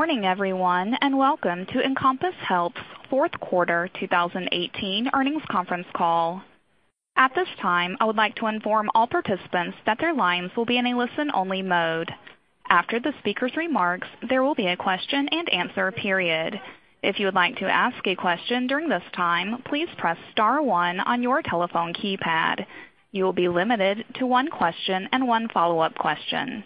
Morning everyone, welcome to Encompass Health fourth quarter 2018 earnings conference call. At this time, I would like to inform all participants that their lines will be in a listen-only mode. After the speaker's remarks, there will be a question-and-answer period. If you would like to ask a question during this time, please press star one on your telephone keypad. You will be limited to one question and one follow-up question.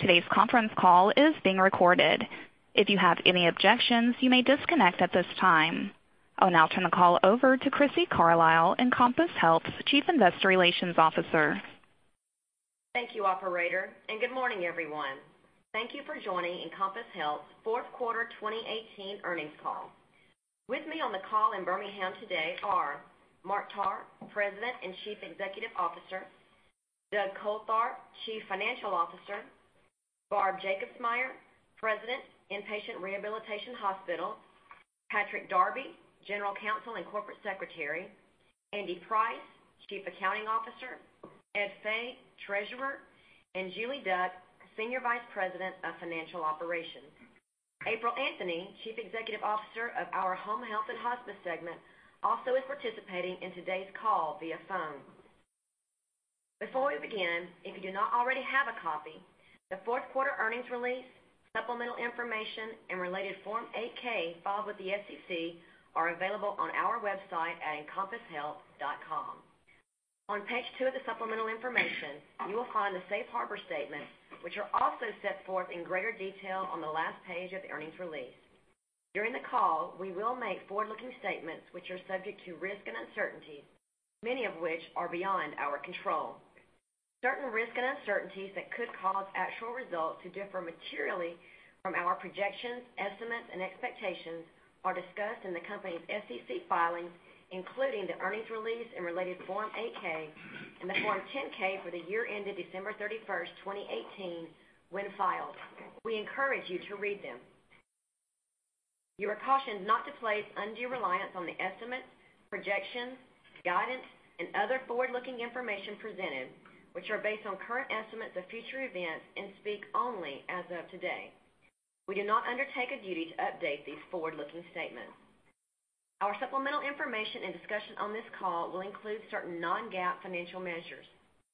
Today's conference call is being recorded. If you have any objections, you may disconnect at this time. I'll now turn the call over to Crissy Carlisle, Encompass Health's Chief Investor Relations Officer. Thank you, operator, good morning, everyone. Thank you for joining Encompass Health fourth quarter 2018 earnings call. With me on the call in Birmingham today is Mark Tarr, President and Chief Executive Officer. Doug Coltharp, Chief Financial Officer. Barb Jacobsmeyer, President, Inpatient Rehabilitation Hospital. Patrick Darby, General Counsel and Corporate Secretary. Andy Price, Chief Accounting Officer. Ed Fay, Treasurer, and Julie Duck, Senior Vice President of Financial Operations. April Anthony, Chief Executive Officer of our Home Health and Hospice segment, also is participating in today's call via phone. Before we begin, if you do not already have a copy, the fourth quarter earnings release, supplemental information, and related Form 8-K filed with the SEC are available on our website at encompasshealth.com. On page two of the supplemental information, you will find the safe harbor statement, which is also set forth in greater detail on the last page of the earnings release. During the call, we will make forward-looking statements that are subject to risks and uncertainties, many of which are beyond our control. Certain risks and uncertainties that could cause actual results to differ materially from our projections, estimates, and expectations are discussed in the company's SEC filings, including the earnings release and related Form 8-K and the Form 10-K for the year ended December 31st, 2018, when filed. We encourage you to read them. You are cautioned not to place undue reliance on the estimates, projections, guidance, and other forward-looking information presented, which are based on current estimates of future events and speak only as of today. We do not undertake a duty to update these forward-looking statements. Our supplemental information and discussion on this call will include certain non-GAAP financial measures.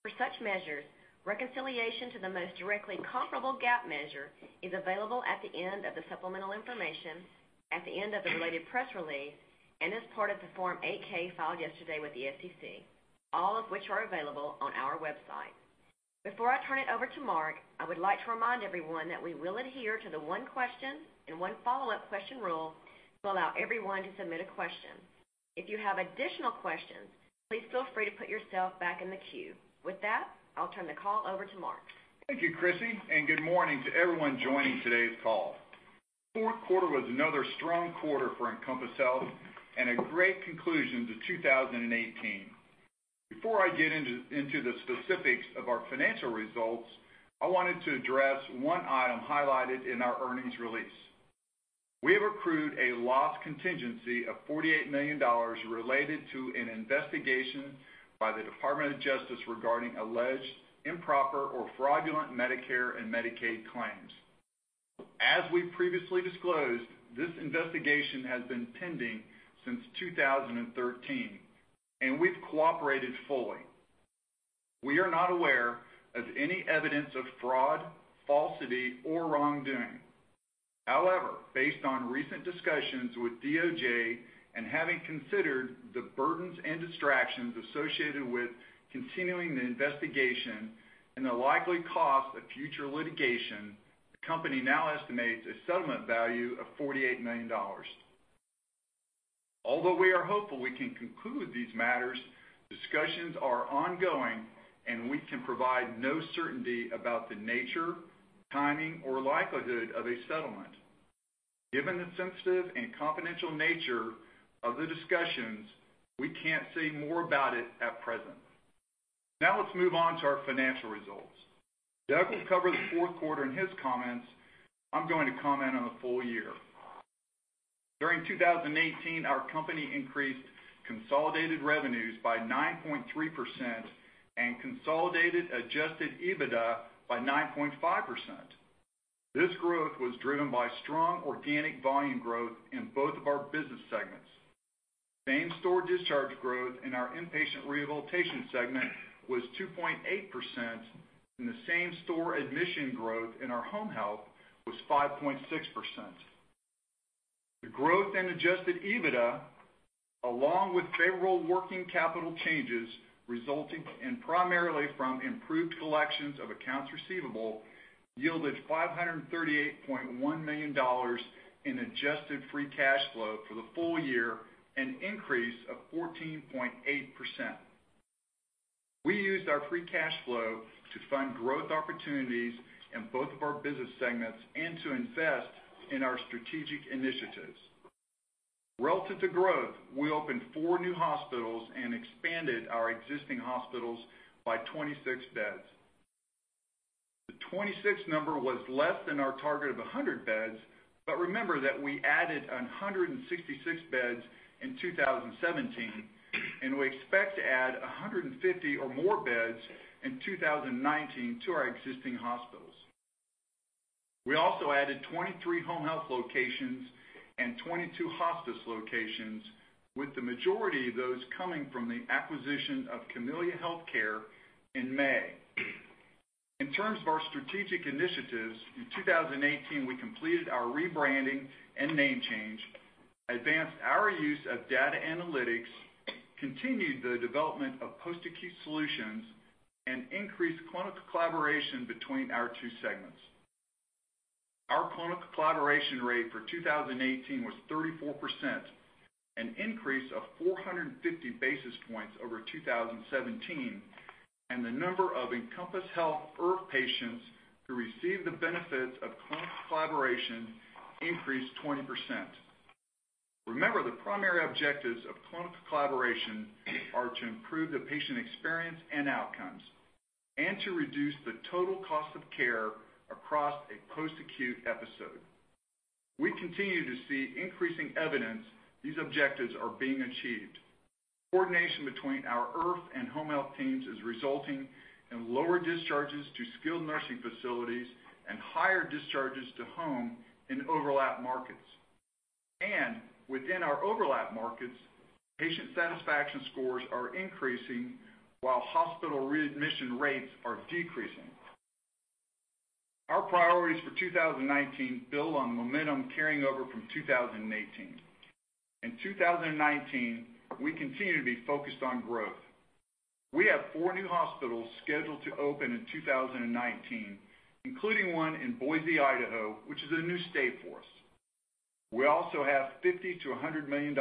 For such measures, reconciliation to the most directly comparable GAAP measure is available at the end of the supplemental information, at the end of the related press release, and as part of the Form 8-K filed yesterday with the SEC, all of which are available on our website. Before I turn it over to Mark, I would like to remind everyone that we will adhere to the one question and one follow-up question rule to allow everyone to submit a question. If you have additional questions, please feel free to put yourself back in the queue. With that, I'll turn the call over to Mark. Thank you, Crissy, and good morning to everyone joining today's call. Fourth quarter was another strong quarter for Encompass Health and a great conclusion to 2018. Before I get into the specifics of our financial results, I wanted to address one item highlighted in our earnings release. We have accrued a loss contingency of $48 million related to an investigation by the Department of Justice regarding alleged improper or fraudulent Medicare and Medicaid claims. As we previously disclosed, this investigation has been pending since 2013, and we've cooperated fully. We are not aware of any evidence of fraud, falsity, or wrongdoing. However, based on recent discussions with DOJ and having considered the burdens and distractions associated with continuing the investigation and the likely cost of future litigation, the company now estimates a settlement value of $48 million. Although we are hopeful we can conclude these matters, discussions are ongoing and we can provide no certainty about the nature, timing, or likelihood of a settlement. Given the sensitive and confidential nature of the discussions, we can't say more about it at present. Now let's move on to our financial results. Doug will cover the fourth quarter in his comments. I'm going to comment on the full year. During 2018, our company increased consolidated revenues by 9.3% and consolidated adjusted EBITDA by 9.5%. This growth was driven by strong organic volume growth in both of our business segments. Same-store discharge growth in our inpatient rehabilitation segment was 2.8%, and the same-store admission growth in our home health was 5.6%. The growth in adjusted EBITDA, along with favorable working capital changes resulting primarily from improved collections of accounts receivable, yielded $538.1 million in adjusted free cash flow for the full year, an increase of 14.8%. We used our free cash flow to fund growth opportunities in both of our business segments and to invest in our strategic initiatives. Relative to growth, we opened four new hospitals and expanded our existing hospitals by 26 beds. The 26 numbers were less than our target of 100 beds, but remember that we added 166 beds in 2017, and we expect to add 150 or more beds in 2019 to our existing hospitals. We also added 23 home health locations and 22 hospice locations, with the majority of those coming from the acquisition of Camellia Healthcare in May. In terms of our strategic initiatives, in 2018, we completed our rebranding and name change, advanced our use of data analytics, continued the development of post-acute solutions, and increased clinical collaboration between our two segments. Our clinical collaboration rate for 2018 was 34%, an increase of 450 basis points over 2017. The number of Encompass Health IRF patients who received the benefits of clinical collaboration increased 20%. Remember, the primary objectives of clinical collaboration are to improve the patient experience and outcomes and to reduce the total cost of care across a post-acute episode. We continue to see increasing evidence these objectives are being achieved. Coordination between our IRF and home health teams is resulting in lower discharges to skilled nursing facilities and higher discharges to home in overlap markets. Within our overlap markets, patient satisfaction scores are increasing while hospital readmission rates are decreasing. Our priorities for 2019 build on momentum carrying over from 2018. In 2019, we continue to be focused on growth. We have four new hospitals scheduled to open in 2019, including one in Boise, Idaho, which is a new state for us. We also have $50-$100 million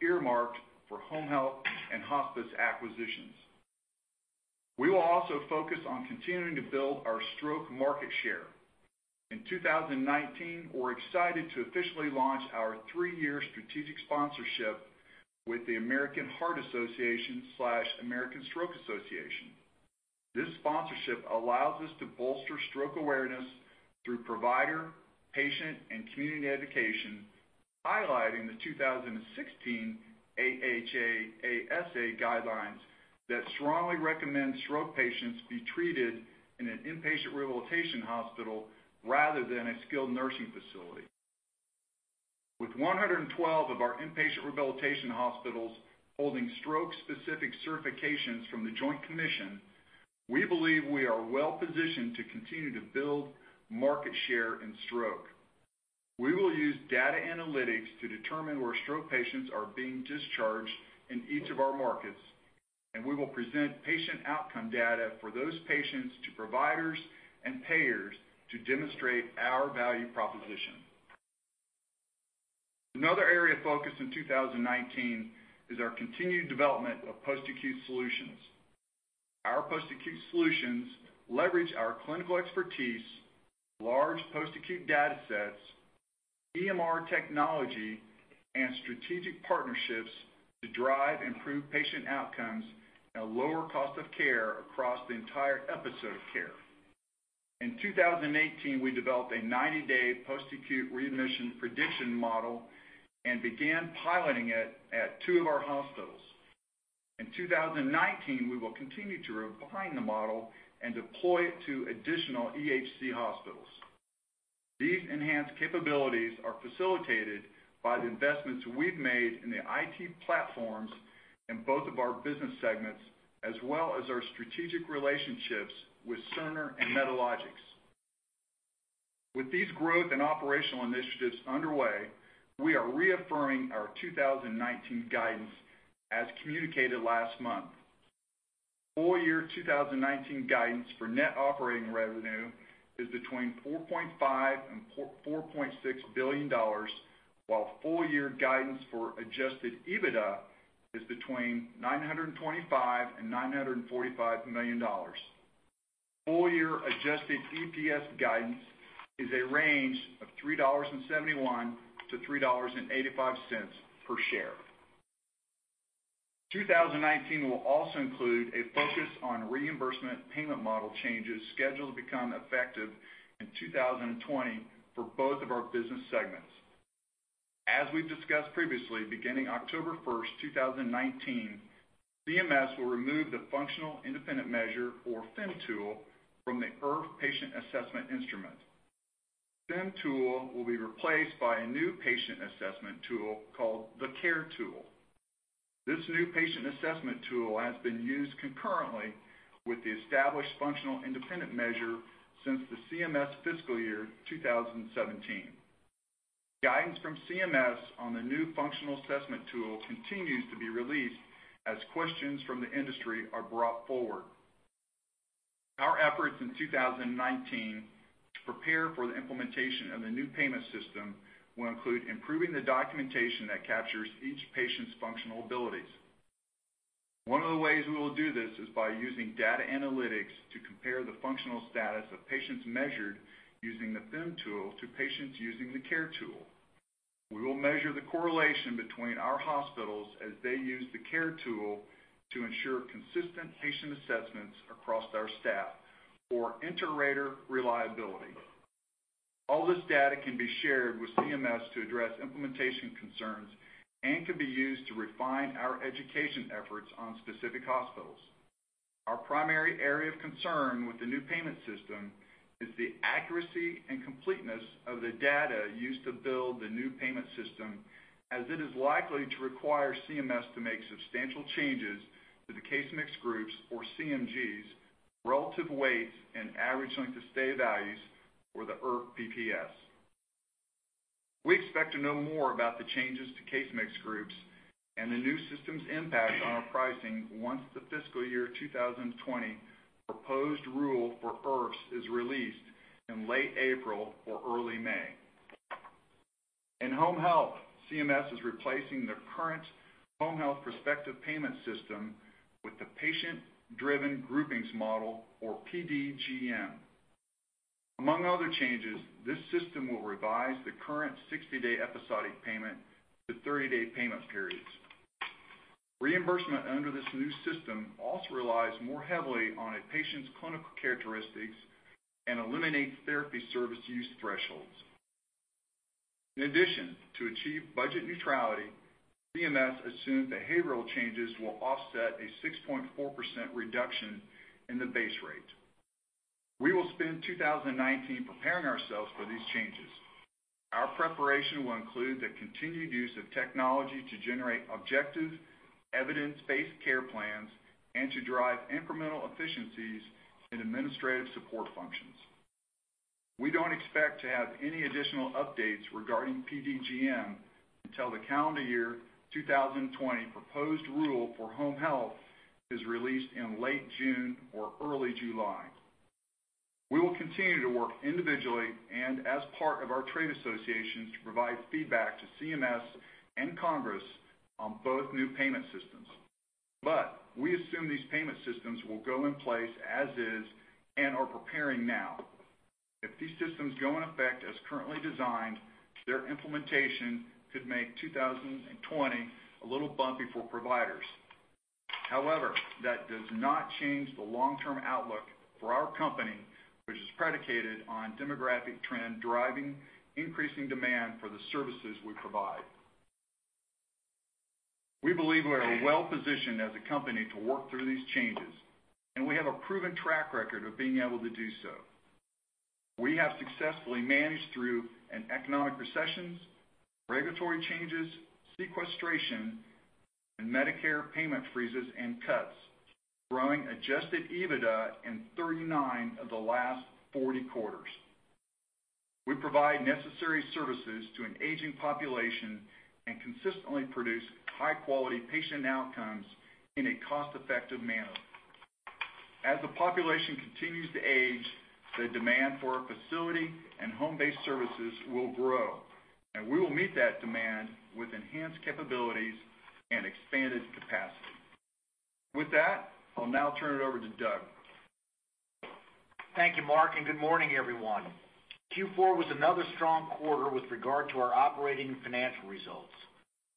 earmarked for home health and hospice acquisitions. We will also focus on continuing to build our stroke market share. In 2019, we're excited to officially launch our three-year strategic sponsorship with the American Heart Association/American Stroke Association. This sponsorship allows us to bolster stroke awareness through provider, patient, and community education, highlighting the 2016 AHA/ASA guidelines that strongly recommend stroke patients be treated in an inpatient rehabilitation hospital rather than a skilled nursing facility. With 112 of our inpatient rehabilitation hospitals holding stroke-specific certifications from The Joint Commission, we believe we are well-positioned to continue to build market share in stroke. We will use data analytics to determine where stroke patients are being discharged in each of our markets. We will present patient outcome data for those patients to providers and payers to demonstrate our value proposition. Another area of focus in 2019 is our continued development of post-acute solutions. Our post-acute solutions leverage our clinical expertise, large post-acute data sets, EMR technology, and strategic partnerships to drive improved patient outcomes at a lower cost of care across the entire episode of care. In 2018, we developed a 90-day post-acute readmission prediction model and began piloting it at two of our hospitals. In 2019, we will continue to refine the model and deploy it to additional EHC hospitals. These enhanced capabilities are facilitated by the investments we've made in the IT platforms in both of our business segments, as well as our strategic relationships with Cerner and Medalogix. With these growth and operational initiatives underway, we are reaffirming our 2019 guidance as communicated last month. Full-year 2019 guidance for net operating revenue is between $4.5 and $4.6 billion, while full-year guidance for adjusted EBITDA is between $925 and $945 million. Full-year adjusted EPS guidance is a range of $3.71 to $3.85 per share. 2019 will also include a focus on reimbursement payment model changes scheduled to become effective in 2020 for both of our business segments. As we've discussed previously, beginning October 1st, 2019, CMS will remove the Functional Independence Measure, or FIM tool, from the IRF Patient Assessment Instrument. The FIM tool will be replaced by a new patient assessment tool called the CARE tool. This new patient assessment tool has been used concurrently with the established Functional Independence Measure since the CMS fiscal year 2017. Guidance from CMS on the new functional assessment tool continues to be released as questions from the industry are brought forward. Our efforts in 2019 to prepare for the implementation of the new payment system will include improving the documentation that captures each patient's functional abilities. One of the ways we will do this is by using data analytics to compare the functional status of patients measured using the FIM tool to patients using the CARE tool. We will measure the correlation between our hospitals as they use the CARE tool to ensure consistent patient assessments across our staff, or inter-rater reliability. All this data can be shared with CMS to address implementation concerns and can be used to refine our education efforts on specific hospitals. Our primary area of concern with the new payment system is the accuracy and completeness of the data used to build the new payment system, as it is likely to require CMS to make substantial changes to the Case-Mix Groups, or CMGs, relative weights and average length of stay values for the IRF PPS. We expect to know more about the changes to Case-Mix Groups and the new system's impact on our pricing once the fiscal year 2020 proposed rule for IRFs is released in late April or early May. In home health, CMS is replacing their current Home Health Prospective Payment System with the Patient-Driven Groupings Model, or PDGM. Among other changes, this system will revise the current 60-day episodic payment to 30-day payment periods. Reimbursement under this new system also relies more heavily on a patient's clinical characteristics and eliminates therapy service use thresholds. In addition, to achieve budget neutrality, CMS assumed behavioral changes would offset a 6.4% reduction in the base rate. We will spend 2019 preparing ourselves for these changes. Our preparation will include the continued use of technology to generate objective, evidence-based care plans and to drive incremental efficiencies in administrative support functions. We don't expect to have any additional updates regarding PDGM until the calendar year 2020 proposed rule for home health is released in late June or early July. We will continue to work individually and as part of our trade associations to provide feedback to CMS and Congress on both new payment systems. We assume these payment systems will go in place as is and are preparing now. If these systems go in effect as currently designed, their implementation could make 2020 a little bumpy for providers. However, that does not change the long-term outlook for our company, which is predicated on demographic trends driving increasing demand for the services we provide. We believe we are well-positioned as a company to work through these changes, and we have a proven track record of being able to do so. We have successfully managed through an economic recession, regulatory changes, sequestration, and Medicare payment freezes and cuts, growing adjusted EBITDA in 39 of the last 40 quarters. We provide necessary services to an aging population and consistently produce high-quality patient outcomes in a cost-effective manner. As the population continues to age, the demand for our facility and home-based services will grow, and we will meet that demand with enhanced capabilities and expanded capacity. With that, I'll now turn it over to Doug. Thank you, Mark, and good morning, everyone. Q4 was another strong quarter with regard to our operating and financial results.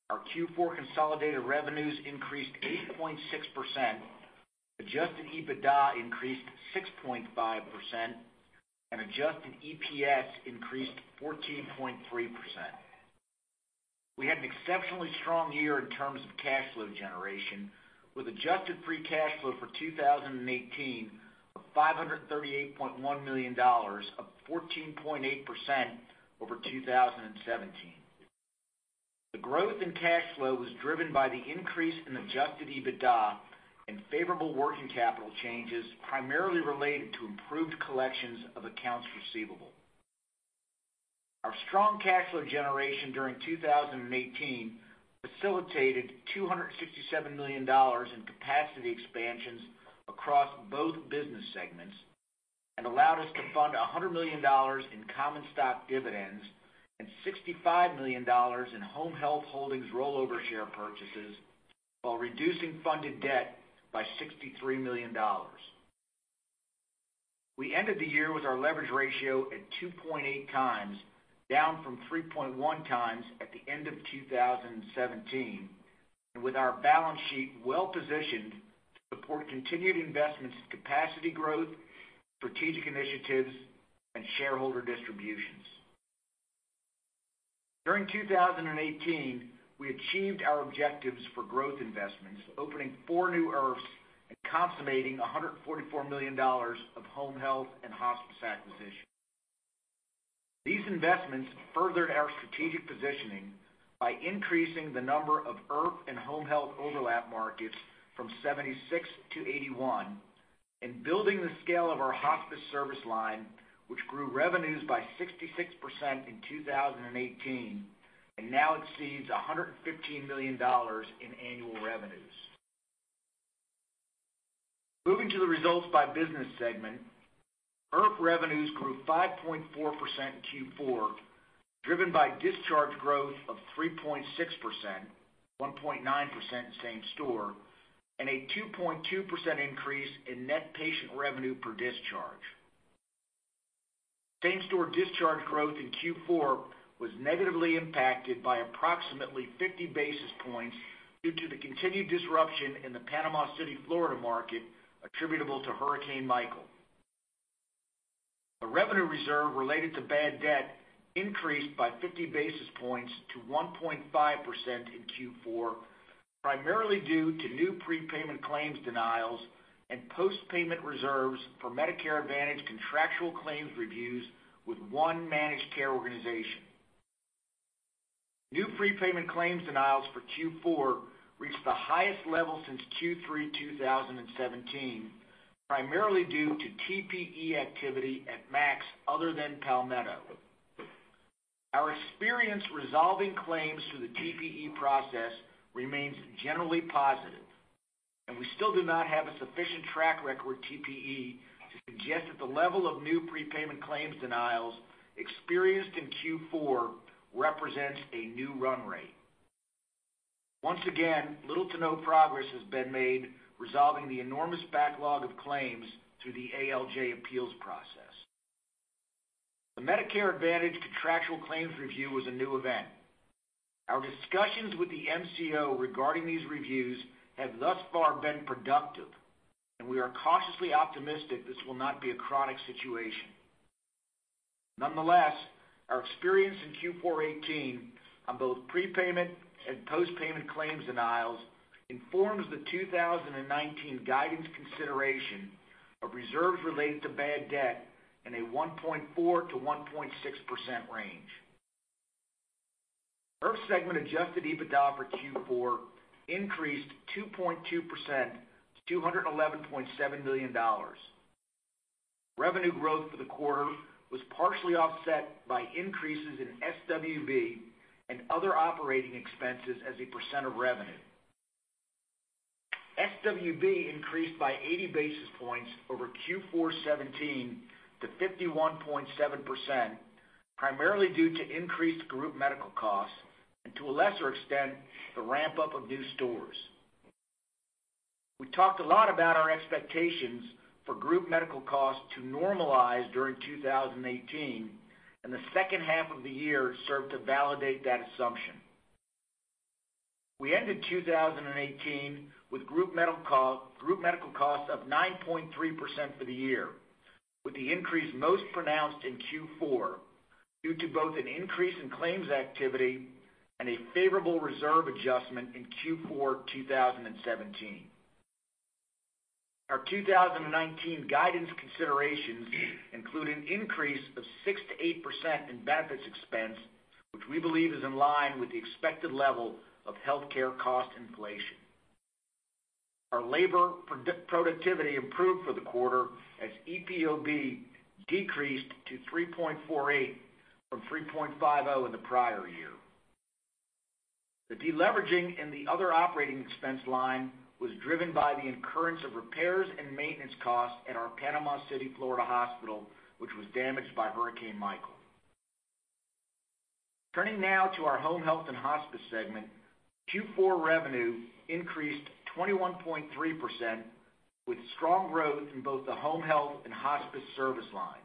Our Q4 consolidated revenues increased 8.6%, adjusted EBITDA increased 6.5%, and adjusted EPS increased 14.3%. We had an exceptionally strong year in terms of cash flow generation with adjusted free cash flow for 2018 of $538.1 million, up 14.8% over 2017. The growth in cash flow was driven by the increase in adjusted EBITDA and favorable working capital changes primarily related to improved collections of accounts receivable. Our strong cash flow generation during 2018 facilitated $267 million in capacity expansions across both business segments and allowed us to fund $100 million in common stock dividends and $65 million in Home Health Holdings rollover share purchases, while reducing funded debt by $63 million. We ended the year with our leverage ratio at 2.8x, down from 3.1x at the end of 2017, and with our balance sheet well positioned to support continued investments in capacity growth, strategic initiatives, and shareholder distributions. During 2018, we achieved our objectives for growth investments, opening four new IRFs and consummating $144 million of home health and hospice acquisitions. These investments furthered our strategic positioning by increasing the number of IRF and home health overlap markets from 76-81 and building the scale of our hospice service line, which grew revenues by 66% in 2018 and now exceeds $115 million in annual revenues. Moving to the results by business segment, IRF revenues grew 5.4% in Q4, driven by discharge growth of 3.6%, 1.9% same store, and a 2.2% increase in net patient revenue per discharge. Same-store discharge growth in Q4 was negatively impacted by approximately 50 basis points due to the continued disruption in the Panama City, Florida, market attributable to Hurricane Michael. The revenue reserve related to bad debt increased by 50 basis points to 1.5% in Q4, primarily due to new prepayment claims denials and post-payment reserves for Medicare Advantage contractual claims reviews with one managed care organization. New prepayment claims denials for Q4 reached the highest level since Q3 2017, primarily due to TPE activity at MACs other than Palmetto. Our experience resolving claims through the TPE process remains generally positive, and we still do not have a sufficient track record in TPE to suggest that the level of new prepayment claims denials experienced in Q4 represents a new run rate. Once again, little to no progress has been made resolving the enormous backlog of claims through the ALJ appeals process. The Medicare Advantage contractual claims review was a new event. Our discussions with the MCO regarding these reviews have thus far been productive, and we are cautiously optimistic this will not be a chronic situation. Nonetheless, our experience in Q4 2018 with both prepayment and post-payment claims denials informs the 2019 guidance consideration of reserves related to bad debt in a 1.4%-1.6% range. The IRF segment's adjusted EBITDA for Q4 increased 2.2% to $211.7 million. Revenue growth for the quarter was partially offset by increases in SWB and other operating expenses as a percent of revenue. SWB increased by 80 basis points over Q4 2017 to 51.7%, primarily due to increased group medical costs and, to a lesser extent, the ramp-up of new stores. We talked a lot about our expectations for group medical costs to normalize during 2018. The second half of the year served to validate that assumption. We ended 2018 with group medical costs of 9.3% for the year, with the increase most pronounced in Q4 due to both an increase in claims activity and a favorable reserve adjustment in Q4 2017. Our 2019 guidance considerations include an increase of 6%-8% in benefits expense, which we believe is in line with the expected level of healthcare cost inflation. Our labor productivity improved for the quarter as EPOB decreased to 3.48 from 3.50 in the prior year. The deleveraging in the other operating expense line was driven by the incurrence of repairs and maintenance costs at our Panama City, Florida hospital, which was damaged by Hurricane Michael. Turning now to our home health and hospice segment, Q4 revenue increased 21.3% with strong growth in both the home health and hospice service lines.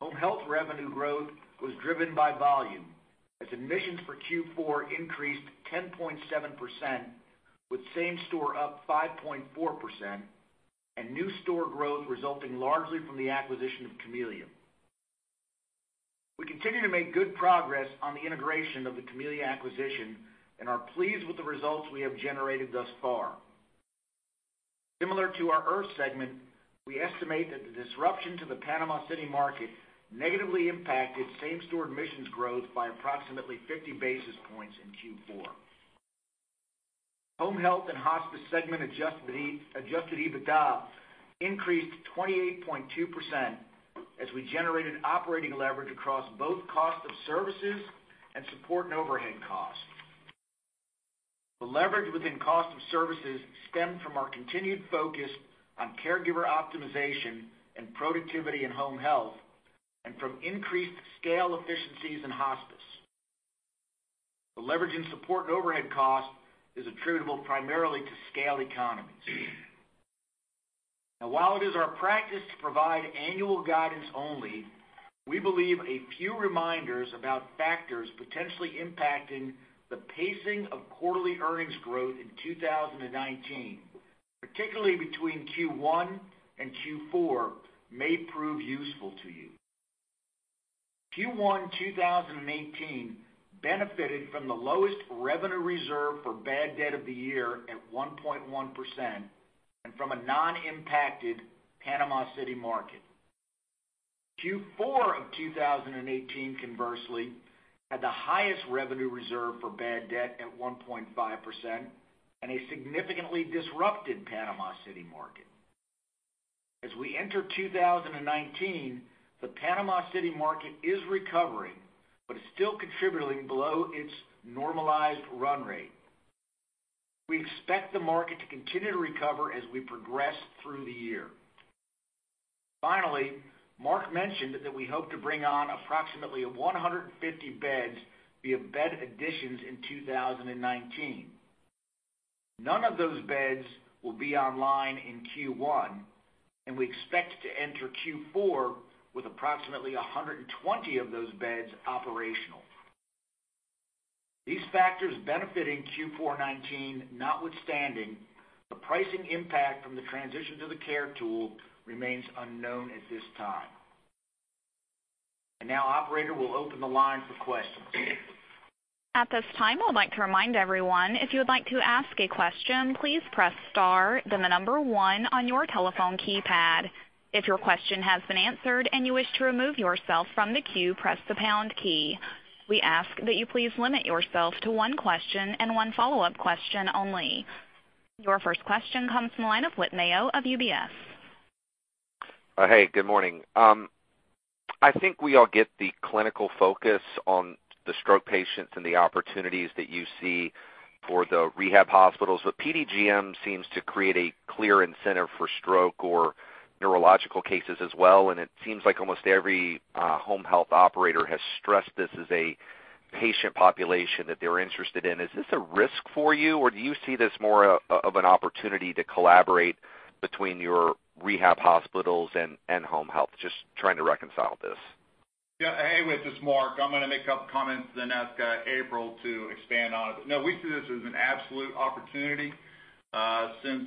Home health revenue growth was driven by volume as admissions for Q4 increased 10.7%, with same-store up 5.4%. New store growth resulting largely from the acquisition of Camellia. We continue to make good progress on the integration of the Camellia acquisition and are pleased with the results we have generated thus far. Similar to our IRF segment, we estimate that the disruption to the Panama City market negatively impacted same-store admissions growth by approximately 50 basis points in Q4. Home health and hospice segment adjusted EBITDA increased 28.2% as we generated operating leverage across both cost of services and support and overhead costs. The leverage within the cost of services stemmed from our continued focus on caregiver optimization and productivity in home health. From increased scale efficiencies in hospice. The leverage in support and overhead cost is attributable primarily to scale economies. While it is our practice to provide annual guidance only, we believe a few reminders about factors potentially impacting the pacing of quarterly earnings growth in 2019, particularly between Q1 and Q4, may prove useful to you. Q1 2018 benefited from the lowest revenue reserve for bad debt of the year at 1.1%. From a non-impacted Panama City market. Q4 of 2018, conversely, had the highest revenue reserve for bad debt at 1.5% and a significantly disrupted Panama City market. As we enter 2019, the Panama City market is recovering but is still contributing below its normalized run rate. We expect the market to continue to recover as we progress through the year. Finally, Mark mentioned that we hope to bring on approximately 150 beds via bed additions in 2019. None of those beds will be online in Q1. We expect to enter Q4 with approximately 120 of those beds operational. These factors benefiting Q4 2019 notwithstanding, the pricing impact from the transition to the CARE tool remains unknown at this time. Now, operator, we'll open the line for questions. At this time, I would like to remind everyone, if you would like to ask a question, please press the star, then the number one on your telephone keypad. If your question has been answered and you wish to remove yourself from the queue, press the pound key. We ask that you please limit yourself to one question and one follow-up question only. Your first question comes from the line of Whit Mayo of UBS. Hey, good morning. I think we all get the clinical focus on the stroke patients and the opportunities that you see for the rehab hospitals; PDGM seems to create a clear incentive for stroke or neurological cases as well. It seems like almost every home health operator has stressed this as a patient population that they're interested in. Is this a risk for you, or do you see this more of an opportunity to collaborate between your rehab hospitals and home health? Just trying to reconcile this. Yeah. Hey, Whit, this is Mark. I'm going to make a couple comments and then ask April to expand on it. No, we see this as an absolute opportunity. Since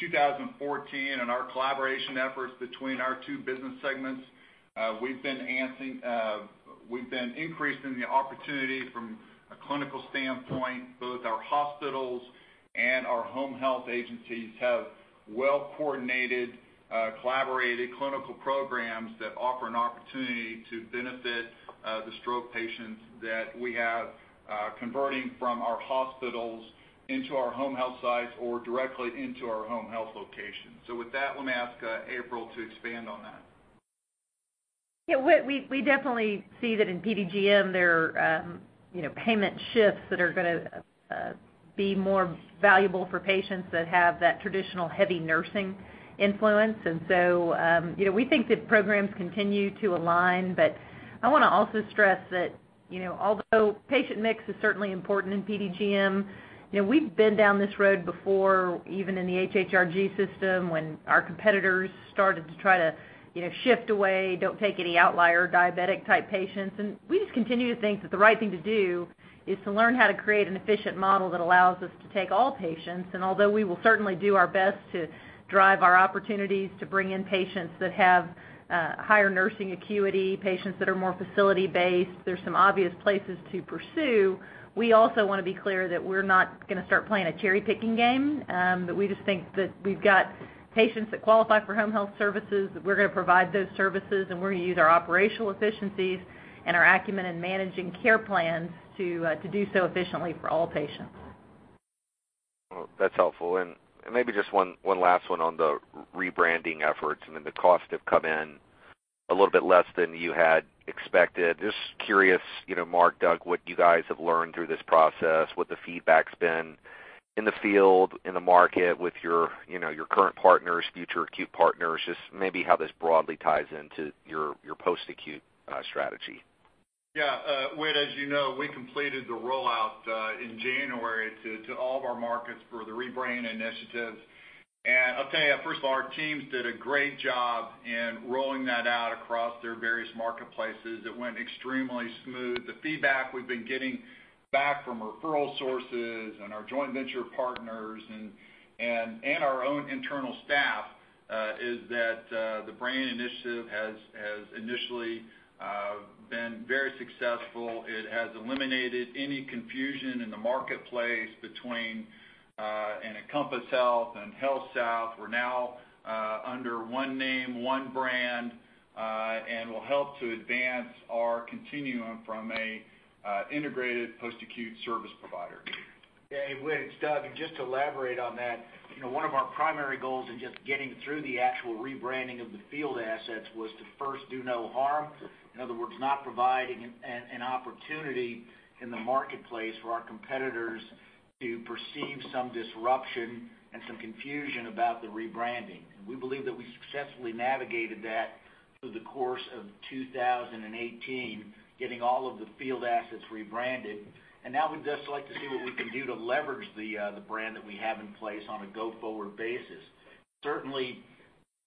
2014 and our collaboration efforts between our two business segments, we've been increasing the opportunity from a clinical standpoint. Both our hospitals and our home health agencies have well-coordinated, collaborated clinical programs that offer an opportunity to benefit the stroke patients that we have converting from our hospitals into our home health sites or directly into our home health locations. With that, let me ask April to expand on that. Yeah, Whit, we definitely see that in PDGM, there are payment shifts that are going to be more valuable for patients that have that traditional heavy nursing influence. We think that programs continue to align. I want to also stress that, although patient mix is certainly important in PDGM, we've been down this road before, even in the HHRG system, when our competitors started to try to shift away and not take any outlier diabetic type patients. We just continue to think that the right thing to do is to learn how to create an efficient model that allows us to take all patients. Although we will certainly do our best to drive our opportunities to bring in patients that have higher nursing acuity, patients that are more facility-based, there are some obvious places to pursue. We also want to be clear that we're not going to start playing a cherry-picking game, but we just think that we've got patients that qualify for home health services, that we're going to provide those services, and we're going to use our operational efficiencies and our acumen in managing care plans to do so efficiently for all patients. That's helpful. Maybe just one last one on the rebranding efforts, then the cost has come in a little bit less than you had expected. Just curious, Mark and Doug, what you guys have learned through this process, what the feedback's been in the field, in the market, with your current partners, and future acute partners, and just maybe how this broadly ties into your post-acute strategy. Yeah. Whit, as you know, we completed the rollout in January to all of our markets for the rebranding initiative. I'll tell you, first of all, our teams did a great job in rolling that out across their various marketplaces. It went extremely smooth. The feedback we've been getting back from referral sources and our joint venture partners and our own internal staff is that the branding initiative has initially been very successful. It has eliminated any confusion in the marketplace between Encompass Health and HealthSouth. We're now under one name and one brand and will help to advance our continuum from an integrated post-acute service provider. Hey, Whit, it's Doug. Just to elaborate on that, one of our primary goals in just getting through the actual rebranding of the field assets was to first do no harm. In other words, not providing an opportunity in the marketplace for our competitors to perceive some disruption and some confusion about the rebranding. We believe that we successfully navigated that through the course of 2018, getting all of the field assets rebranded. Now we'd just like to see what we can do to leverage the brand that we have in place on a go-forward basis. Certainly,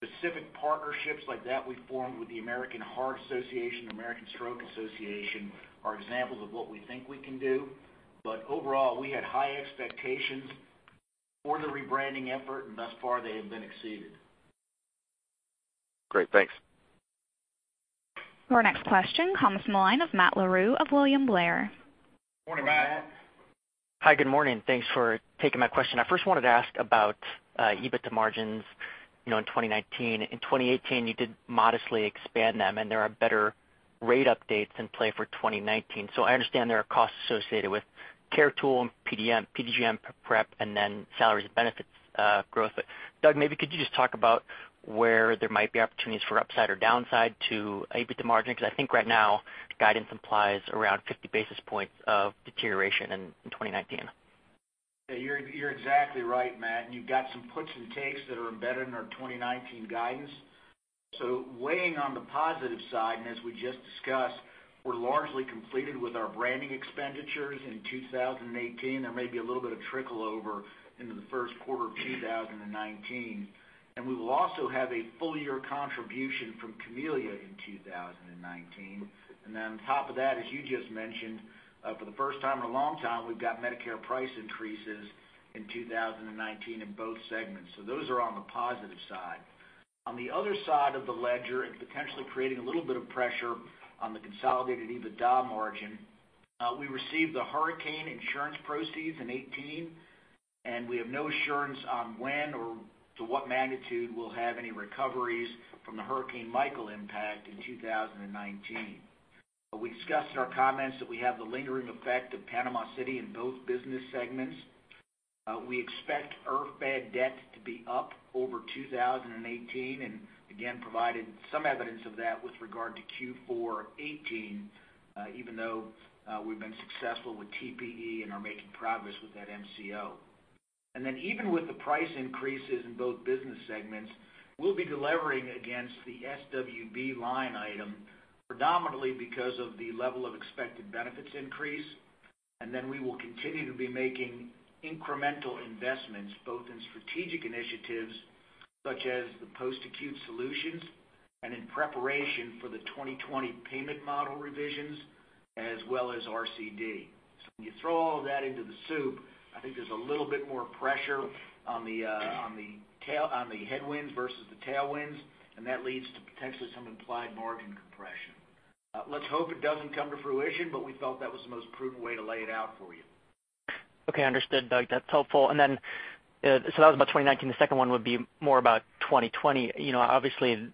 specific partnerships like the ones we formed with the American Heart Association and American Stroke Association are examples of what we think we can do. Overall, we had high expectations for the rebranding effort; thus far, they have been exceeded. Great. Thanks. Our next question comes from the line of Matt Larew of William Blair. Morning, Matt. Morning, Matt. Hi, good morning. Thanks for taking my question. I first wanted to ask about EBITDA margins in 2019. In 2018, you did modestly expand them. There are better rate updates in play for 2019. I understand there are costs associated with the CARE tool and PDGM prep, salaries, and benefits growth. Doug, maybe could you just talk about where there might be opportunities for upside or downside to EBITDA margin? I think right now, guidance implies around 50 basis points of deterioration in 2019. You're exactly right, Matt. You've got some puts and takes that are embedded in our 2019 guidance. Weighing on the positive side, as we just discussed, we're largely completed with our branding expenditures in 2018. There may be a little bit of trickle-over into the first quarter of 2019. We will also have a full-year contribution from Camellia in 2019. On top of that, as you just mentioned, for the first time in a long time, we've got Medicare price increases in 2019 in both segments. Those are on the positive side. On the other side of the ledger, potentially creating a little bit of pressure on the consolidated EBITDA margin, we received the hurricane insurance proceeds in 2018. We have no assurance on when or to what magnitude we'll have any recoveries from the Hurricane Michael impact in 2019. We discussed in our comments that we have the lingering effect of Panama City in both business segments. We expect IRF bad debt to be up over 2018. Again, provided some evidence of that with regard to Q4 2018, even though we've been successful with TPE and are making progress with that MCO. Even with the price increases in both business segments, we'll be delivering against the SWB line item predominantly because of the level of expected benefits increase. We will continue to be making incremental investments, both in strategic initiatives such as the post-acute solutions and in preparation for the 2020 payment model revisions as well as RCD. When you throw all of that into the soup, I think there's a little bit more pressure on the headwinds versus the tailwinds. That leads to potentially some implied margin compression. Let's hope it doesn't come to fruition. We felt that was the most prudent way to lay it out for you. Okay, understood, Doug. That's helpful. That was about 2019. The second one would be more about 2020. Obviously,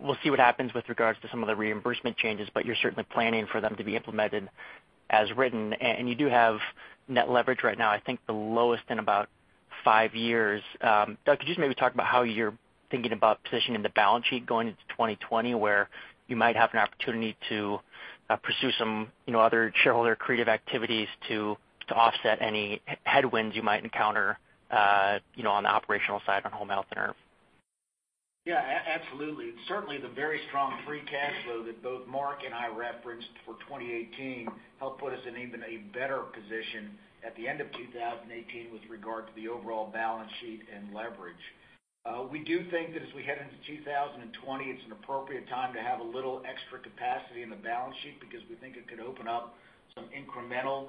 we'll see what happens with regards to some of the reimbursement changes, but you're certainly planning for them to be implemented as written. You do have net leverage right now, I think the lowest in about five years. Doug, could you maybe talk about how you're thinking about positioning the balance sheet going into 2020, where you might have an opportunity to pursue some other shareholder creative activities to offset any headwinds you might encounter on the operational side, on home health and IRF? Yeah, absolutely. Certainly, the very strong free cash flow that both Mark and I referenced for 2018 helped put us in an even better position at the end of 2018 with regard to the overall balance sheet and leverage. We do think that as we head into 2020, it's an appropriate time to have a little extra capacity on the balance sheet because we think it could open up some incremental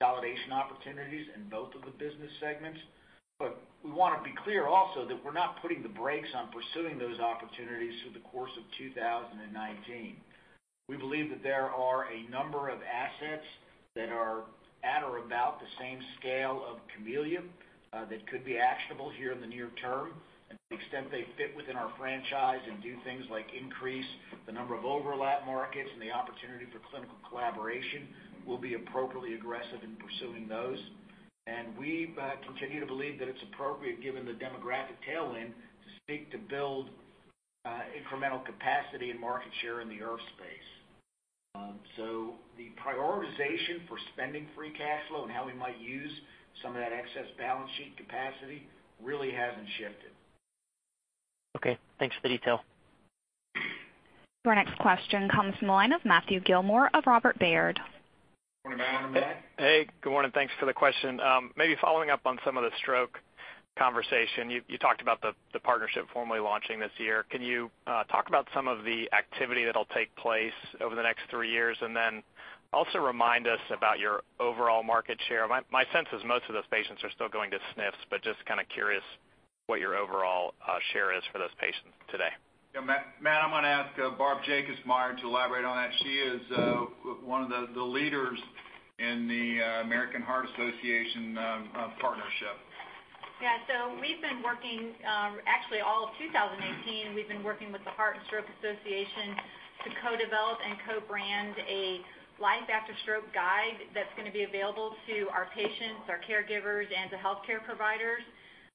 consolidation opportunities in both of the business segments. We want to be clear also that we're not putting the brakes on pursuing those opportunities through the course of 2019. We believe that there are a number of assets that are at or about the same scale of Camellia that could be actionable here in the near term. To the extent they fit within our franchise and do things like increase the number of overlap markets and the opportunity for clinical collaboration, we'll be appropriately aggressive in pursuing those. We continue to believe that it's appropriate, given the demographic tailwind, to seek to build incremental capacity and market share in the IRF space. The prioritization for spending free cash flow and how we might use some of that excess balance sheet capacity really hasn't shifted. Okay, thanks for the detail. Your next question comes from the line of Matthew Gillmor of Robert W. Baird. Good morning, Matt. Good morning, Matt. Hey, good morning. Thanks for the question. Maybe following up on some of the stroke conversation, you talked about the partnership formally launching this year. Can you talk about some of the activity that'll take place over the next three years, and then also remind us about your overall market share? My sense is most of those patients are still going to SNFs, but I'm just kind of curious what your overall share is for those patients today. Matt, I'm going to ask Barbara Jacobsmeyer to elaborate on that. She is one of the leaders in the American Heart Association partnership. Yeah. We've been working, actually all of 2018; we've been working with the Heart and Stroke Association to co-develop and co-brand a life after stroke guide that's going to be available to our patients, our caregivers, and to healthcare providers.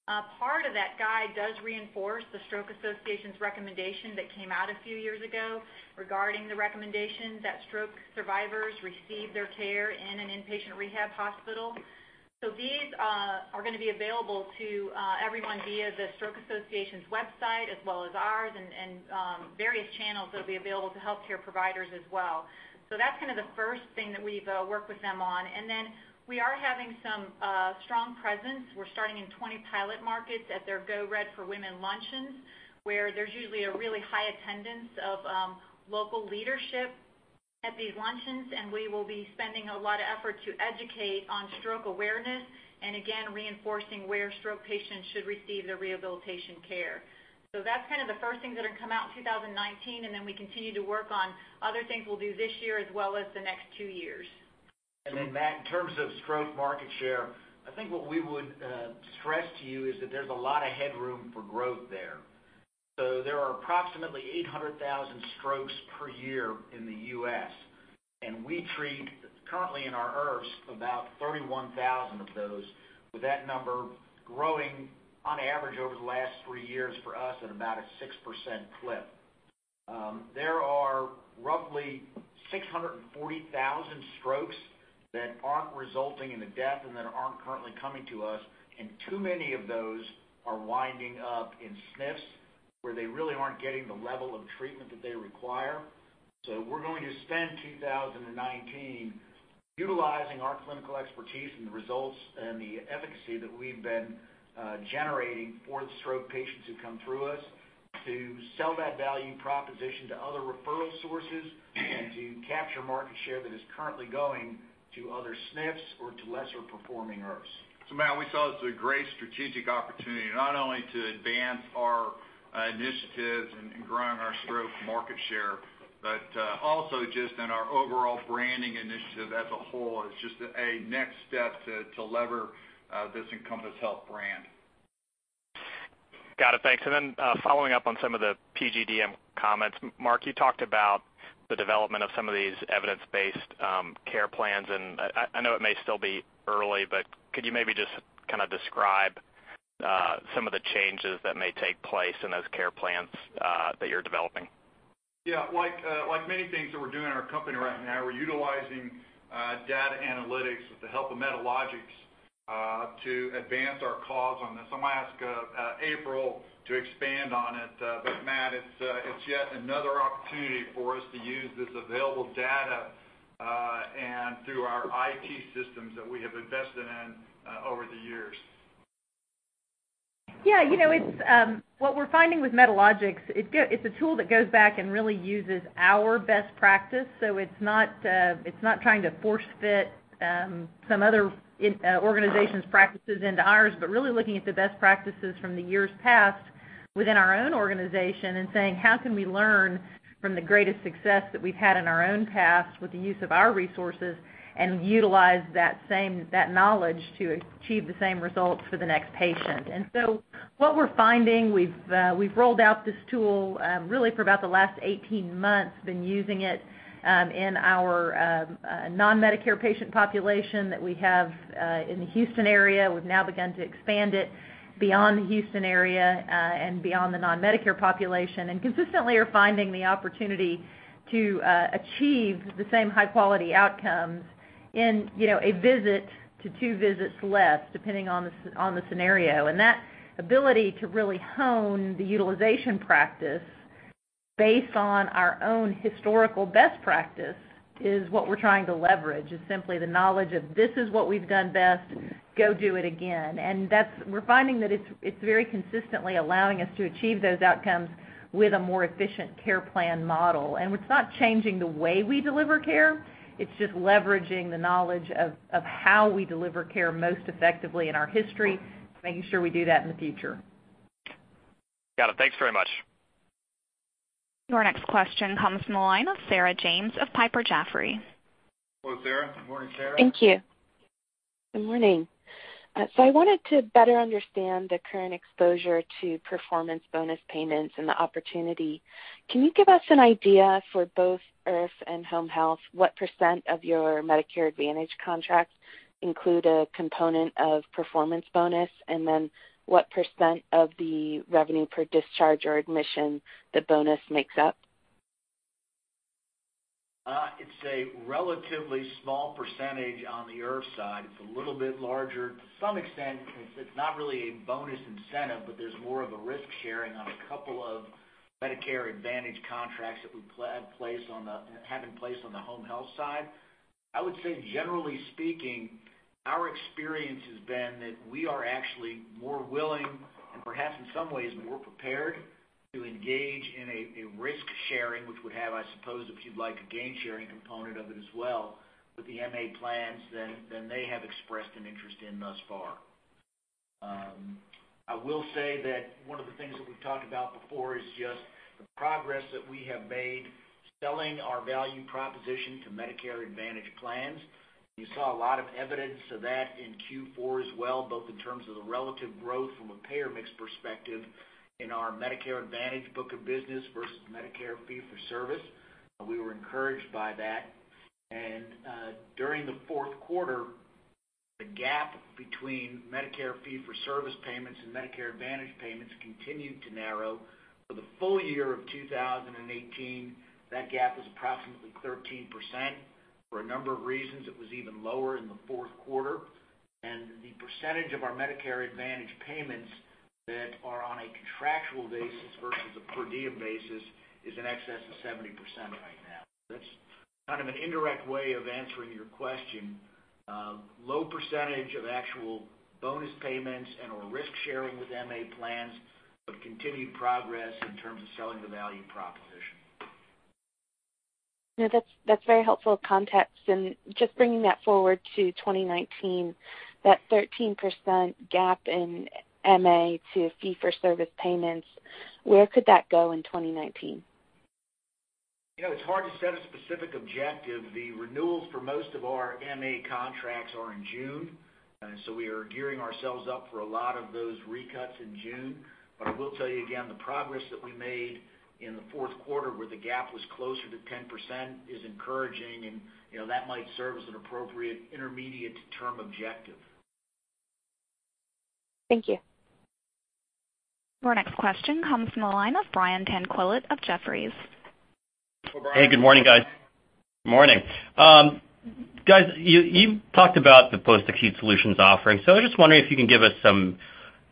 Part of that guide does reinforce the Stroke Association's recommendation that came out a few years ago regarding the recommendation that stroke survivors receive their care in an inpatient rehab hospital. These are going to be available to everyone via the Stroke Association's website as well as ours and various channels that'll be available to healthcare providers as well. That's kind of the first thing that we've worked with them on. We have some strong presence. We're starting in 20 pilot markets at their Go Red for Women luncheons, where there's usually a really high attendance of local leadership at these luncheons, we will be spending a lot of effort to educate on stroke awareness and again, reinforce where stroke patients should receive their rehabilitation care. Those are kind of the first things that are going to come out in 2019; we continue to work on other things we'll do this year as well as the next two years. Matt, in terms of stroke market share, I think what we would stress to you is that there's a lot of headroom for growth there. There are approximately 800,000 strokes per year in the U.S., and we treat currently in our IRFs about 31,000 of those. With that number growing on average over the last three years for us at about a 6% clip. There are roughly 640,000 strokes that aren't resulting in a death and that aren't currently coming to us, and too many of those are winding up in SNFs where they really aren't getting the level of treatment that they require. We're going to spend 2019 utilizing our clinical expertise and the results and the efficacy that we've been generating for the stroke patients who come through us to sell that value proposition to other referral sources and to capture market share that is currently going to other SNFs or to lesser-performing IRFs. Matt, we saw this as a great strategic opportunity, not only to advance our initiatives in growing our stroke market share but also just in our overall branding initiative as a whole. It's just a next step to leverage this Encompass Health brand. Got it. Thanks. Following up on some of the PDGM comments, Mark, you talked about the development of some of these evidence-based care plans, and I know it may still be early, but could you maybe just describe some of the changes that may take place in those care plans that you're developing? Yeah. Like many things that we're doing in our company right now, we're utilizing data analytics with the help of Medalogix to advance our cause on this. I'm going to ask April to expand on it. Matt, it's yet another opportunity for us to use this available data and our IT systems that we have invested in over the years. Yeah. What we're finding with Medalogix is it's a tool that goes back and really uses our best practices. It's not trying to force-fit some other organization's practices into ours, but really looking at the best practices from the years past within our own organization and saying, How can we learn from the greatest success that we've had in our own past with the use of our resources and utilize that knowledge to achieve the same results for the next patient?" What we're finding is we've rolled out this tool really for about the last 18 months, being using it in our non-Medicare patient population that we have in the Houston area. We've now begun to expand it beyond the Houston area and beyond the non-Medicare population. Consistently are finding the opportunity to achieve the same high-quality outcomes in one visit as in two visits, depending on the scenario. That ability to really hone the utilization practice based on our own historical best practice is what we're trying to leverage, is simply the knowledge of this is what we've done best, so go do it again. We're finding that it's very consistently allowing us to achieve those outcomes with a more efficient care plan model. It's not changing the way we deliver care; it's just leveraging the knowledge of how we deliver care most effectively in our history, making sure we do that in the future. Got it. Thanks very much. Your next question comes from the line of Sarah James of Piper Jaffray. Hello, Sarah. Good morning, Sarah. Thank you. Good morning. I wanted to better understand the current exposure to performance bonus payments and the opportunity. Can you give us an idea for both IRFs and Home Health, what percent of your Medicare Advantage contracts include a component of a performance bonus? What % of the revenue per discharge or admission does the bonus make up? It's a relatively small percentage on the IRF side. It's a little bit larger to some extent; it's not really a bonus incentive, but there's more of a risk-sharing on a couple of Medicare Advantage contracts that we have in place on the Home Health side. I would say, generally speaking, our experience has been that we are actually more willing and perhaps in some ways more prepared to engage in risk-sharing, which would have, I suppose, if you'd like, a gain-sharing component of it as well with the MA plans than they have expressed an interest in thus far. I will say that one of the things that we've talked about before is just the progress that we have made selling our value proposition to Medicare Advantage plans. You saw a lot of evidence of that in Q4 as well, both in terms of the relative growth from a payer mix perspective in our Medicare Advantage book of business versus Medicare fee-for-service. We were encouraged by that. During the fourth quarter, the gap between Medicare fee-for-service payments and Medicare Advantage payments continued to narrow. For the full year of 2018, that gap was approximately 13%. For a number of reasons, it was even lower in the fourth quarter. The % of our Medicare Advantage payments that are on a contractual basis versus a per diem basis is in excess of 70% right now. That's kind of an indirect way of answering your question. Low % of actual bonus payments and/or risk-sharing with MA plans, but continued progress in terms of selling the value proposition. No, that's very helpful context. Just bringing that forward to 2019, that 13% gap in MA to fee-for-service payments—where could that go in 2019? It's hard to set a specific objective. The renewals for most of our MA contracts are in June, so we are gearing ourselves up for a lot of those recuts in June. I will tell you again, the progress that we made in the fourth quarter where the gap was closer to 10% is encouraging and that might serve as an appropriate intermediate-term objective. Thank you. Your next question comes from the line of Brian Tanquilut of Jefferies. Hey, good morning, guys. Morning. Guys, you talked about the post-acute solutions offering. I was just wondering if you can give us some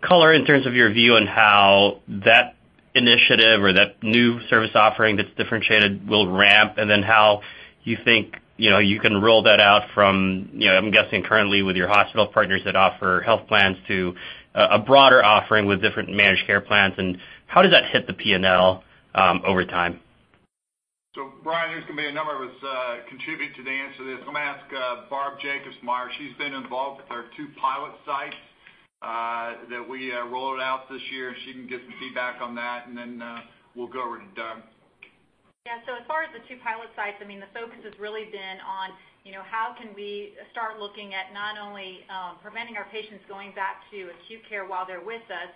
color in terms of your view on how that initiative or that new service offering that's differentiated will ramp and then how you think you can roll that out from, I'm guessing, currently with your hospital partners that offer health plans to a broader offering with different managed care plans, and how does that hit the P&L over time? Brian, there's going to be a number of us contributing to the answer to this. I'm going to ask Barb Jacobsmeyer. She's been involved with our two pilot sites that we rolled out this year. She can give some feedback on that. Then we'll go over to Doug. As far as the two pilot sites are concerned, the focus has really been on how we can start looking at not only preventing our patients from going back to acute care while they're with us,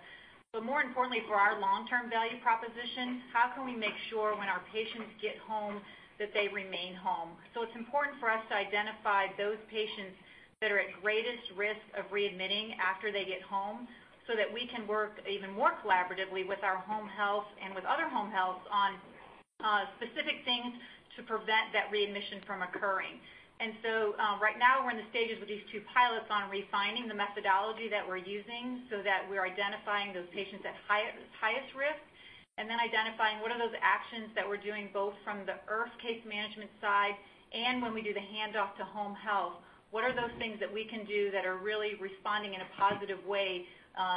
but more importantly for our long-term value proposition, how can we make sure when our patients get home that they remain home? It's important for us to identify those patients that are at greatest risk of being readmitted after they get home so that we can work even more collaboratively with our home health and with other home health on specific things to prevent that readmission from occurring. Right now, we're in the stages with these two pilots on refining the methodology that we're using so that we're identifying those patients at highest risk and identifying what those actions are that we're doing, both from the IRF case management side and when we do the handoff to home health. What are those things that we can do that are really responding in a positive way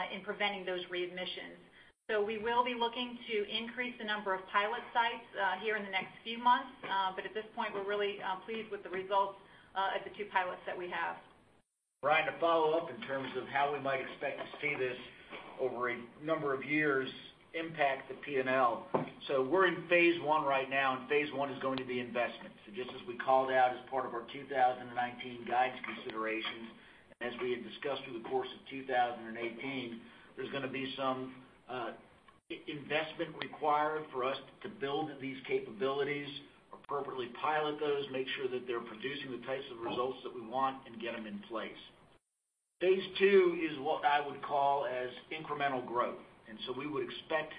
in preventing those readmissions? We will be looking to increase the number of pilot sites here in the next few months. At this point, we're really pleased with the results at the two pilots that we have. Brian, to follow up in terms of how we might expect to see this over a number of years impact the P&L. We're in phase I right now. phase I is going to be investment. Just as we called out as part of our 2019 guidance considerations, as we had discussed through the course of 2018, there's going to be some investment required for us to build these capabilities, appropriately pilot those, make sure that they're producing the types of results that we want, and get them in place. phase II is what I would call incremental growth. We would expect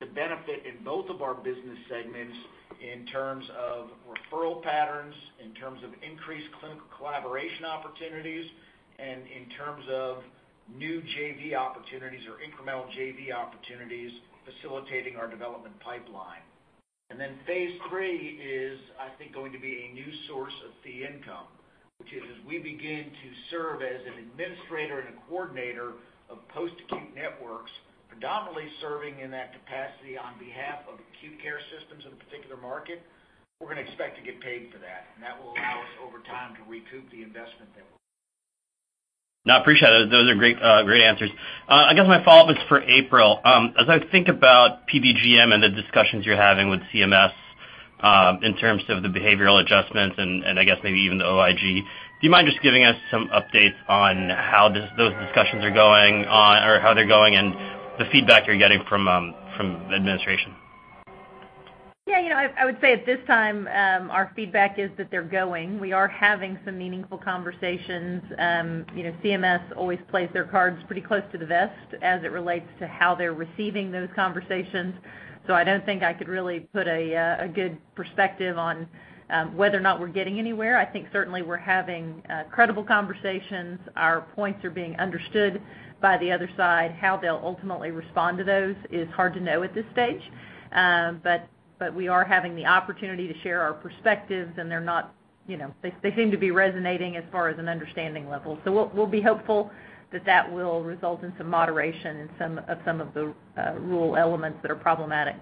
to benefit in both of our business segments in terms of referral patterns, in terms of increased clinical collaboration opportunities, and in terms of new JV opportunities or incremental JV opportunities facilitating our development pipeline. phase III is, I think, going to be a new source of fee income. Which is, as we begin to serve as an administrator and a coordinator of post-acute networks, predominantly serving in that capacity on behalf of acute care systems in a particular market, we're going to expect to get paid for that. That will allow us over time to recoup the investment that we're making. No, I appreciate it. Those are great answers. I guess my follow-up is for April. As I think about PDGM and the discussions you're having with CMS, in terms of the behavioral adjustments and I guess maybe even the OIG, do you mind just giving us some updates on how those discussions are going or how they're going and the feedback you're getting from the administration? I would say at this time, our feedback is that they're going. We are having some meaningful conversations. CMS always plays their cards pretty close to the vest as it relates to how they're receiving those conversations. I don't think I could really put a good perspective on whether or not we're getting anywhere. I think certainly we're having credible conversations. Our points are being understood by the other side. How they'll ultimately respond to those is hard to know at this stage. We are having the opportunity to share our perspectives, and they seem to be resonating as far as an understanding level. We'll be hopeful that that will result in some moderation in some of the rule elements that are problematic.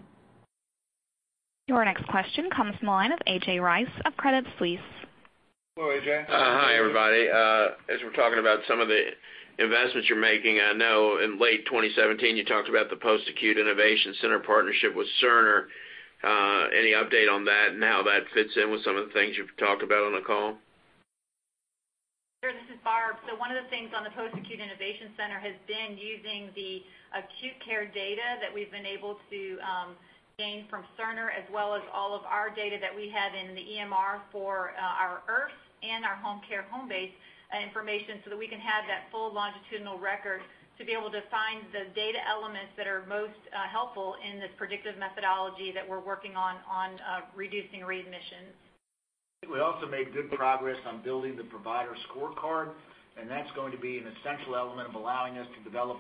Your next question comes from the line of A.J. Rice of Credit Suisse. Hello, A.J. Hi, everybody. As we're talking about some of the investments you're making, I know in late 2017, you talked about the Post-Acute Innovation Center partnership with Cerner. Any update on that and how that fits in with some of the things you've talked about on the call? Sure, this is Barb. One of the things the Post-Acute Innovation Center has been doing is using the acute care data that we've been able to gain from Cerner, as well as all of our data that we have in the EMR for our IRFs and our home care, home-based information, so that we can have that full longitudinal record to be able to find the data elements that are most helpful in this predictive methodology that we're working on reducing readmissions. We also made good progress on building the provider scorecard, and that's going to be an essential element of allowing us to develop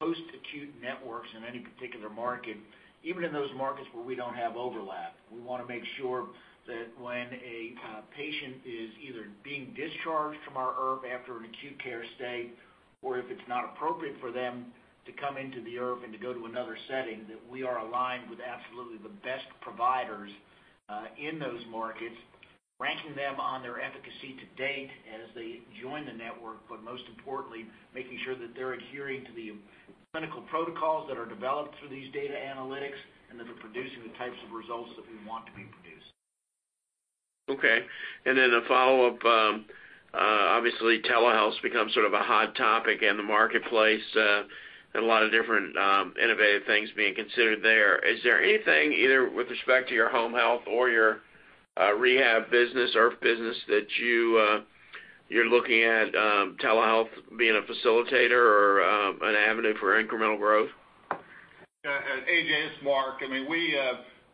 post-acute networks in any particular market, even in those markets where we don't have overlap. We want to make sure that when a patient is either being discharged from our IRF after an acute care stay or if it's not appropriate for them to come into the IRF and to go to another setting, we are aligned with absolutely the best providers in those markets, ranking them on their efficacy to date as they join the network. Most importantly, making sure that they're adhering to the clinical protocols that are developed through these data analytics and that they're producing the types of results that we want to be produced. Okay. Then a follow-up. Obviously, telehealth has become sort of a hot topic in the marketplace, and a lot of different innovative things are being considered there. Is there anything either with respect to your home health or your rehab business or a business where you're looking at telehealth being a facilitator or an avenue for incremental growth? Yeah, AJ, it's Mark.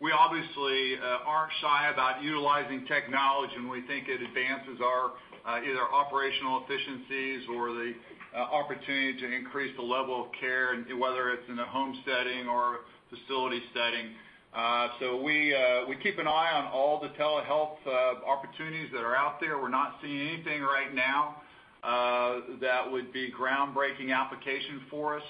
We obviously aren't shy about utilizing technology, and we think it advances either our operational efficiencies or the opportunity to increase the level of care, whether it's in a home setting or facility setting. We keep an eye on all the telehealth opportunities that are out there. We're not seeing anything right now that would be a groundbreaking application for us.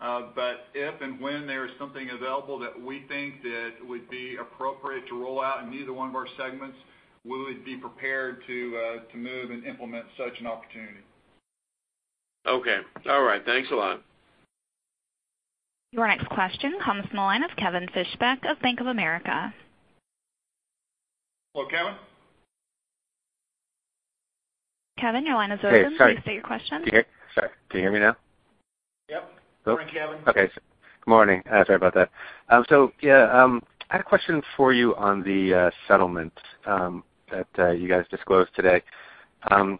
If and when there is something available that we think that would be appropriate to roll out in either one of our segments, we would be prepared to move and implement such an opportunity. Okay. All right. Thanks a lot. Your next question comes from the line of Kevin Fischbeck of Bank of America. Hello, Kevin. Kevin, your line is open. Hey, sorry. Please state your question. Can you hear? Sorry. Can you hear me now? Yep. Morning, Kevin. Okay. Good morning. Sorry about that. I had a question for you on the settlement that you guys disclosed today. I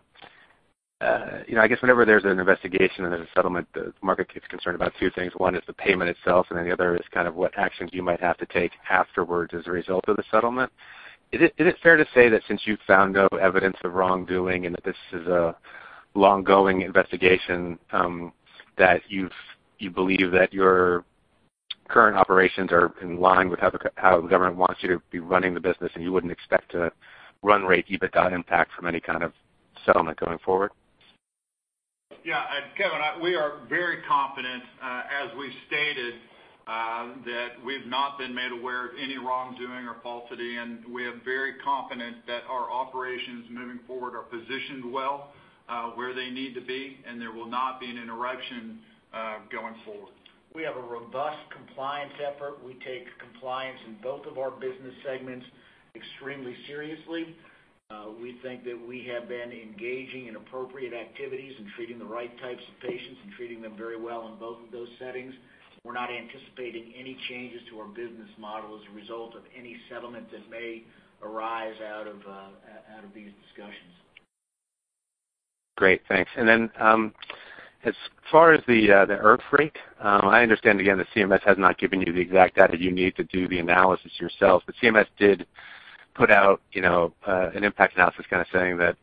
guess whenever there's an investigation and there's a settlement, the market gets concerned about two things. One is the payment itself. The other is what actions you might have to take afterwards as a result of the settlement. Is it fair to say that since you've found no evidence of wrongdoing and that this is a long-going investigation, you believe that your current operations are in line with how the government wants you to be running the business and you wouldn't expect to run rate EBITDA impact from any kind of settlement going forward? Yeah, Kevin, we are very confident, as we stated, that we've not been made aware of any wrongdoing or falsity. We are very confident that our operations moving forward are positioned well where they need to be. There will not be an interruption going forward. We have a robust compliance effort. We take compliance in both of our business segments extremely seriously. We think that we have been engaging in appropriate activities and treating the right types of patients and treating them very well in both of those settings. We're not anticipating any changes to our business model as a result of any settlement that may arise out of these discussions. Great, thanks. As far as the IRF rate, I understand again that CMS has not given you the exact data you need to do the analysis yourselves. CMS did put out an impact analysis kind of saying that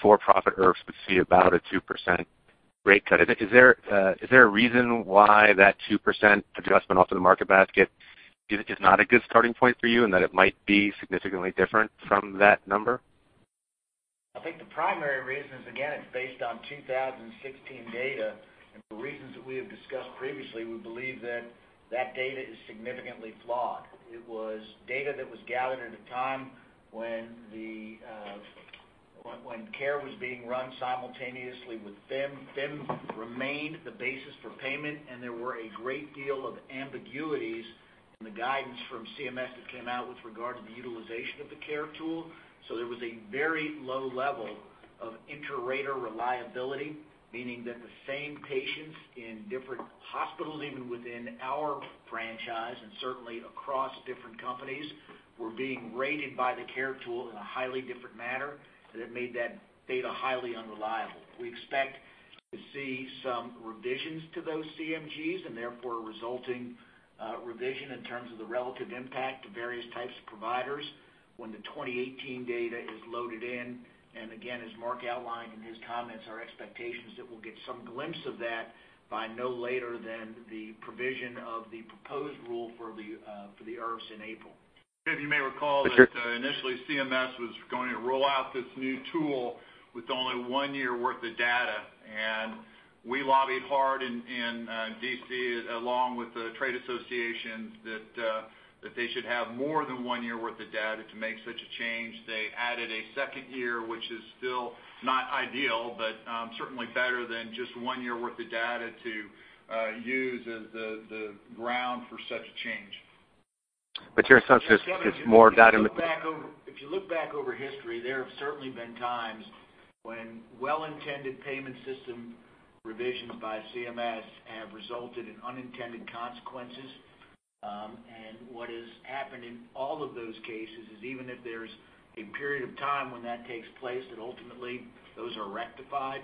for-profit IRFs would see about a 2% rate cut. Is there a reason why that 2% adjustment off of the market basket is not a good starting point for you and that it might be significantly different from that number? I think the primary reason is, again, it's based on 2016 data, and for reasons that we have discussed previously, we believe that that data is significantly flawed. It was data that was gathered at a time when FIM was being run simultaneously with FIM remained the basis for payment, and there were a great deal of ambiguities in the guidance from CMS that came out with regard to the utilization of the care tool. There was a very low level of inter-rater reliability, meaning that the same patients in different hospitals, even within our franchise and certainly across different companies, were being rated by the care tool in a highly different manner, and it made that data highly unreliable. We expect to see some revisions to those CMGs and therefore a resulting revision in terms of the relative impact to various types of providers when the 2018 data is loaded in. Again, as Mark outlined in his comments, our expectation is that we'll get some glimpse of that by no later than the provision of the proposed rule for the IRFs in April. If you may recall, initially CMS was going to roll out this new tool with only one year's worth of data. We lobbied hard in D.C. along with the trade associations that they should have more than one year worth of data to make such a change. They added a second year, which is still not ideal, certainly better than just one year worth of data to use as the ground for such a change. Your assumption is more data- If you look back over history, there have certainly been times when well-intended payment system revisions by CMS have resulted in unintended consequences. What has happened in all of those cases is even if there's a period of time when that takes place, that ultimately those are rectified.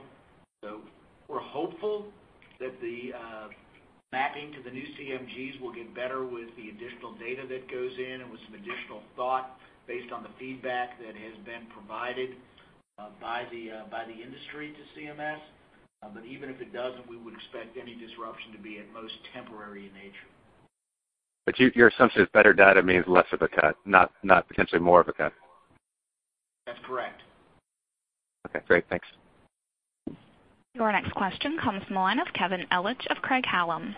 We're hopeful that the mapping to the new CMGs will get better with the additional data that goes in and with some additional thought based on the feedback that has been provided by the industry to CMS. Even if it doesn't, we would expect any disruption to be at most temporary in nature. Your assumption is better data means less of a cut, not potentially more of a cut. That's correct. Okay, great. Thanks. Your next question comes from the line of Kevin Ellich of Craig-Hallum.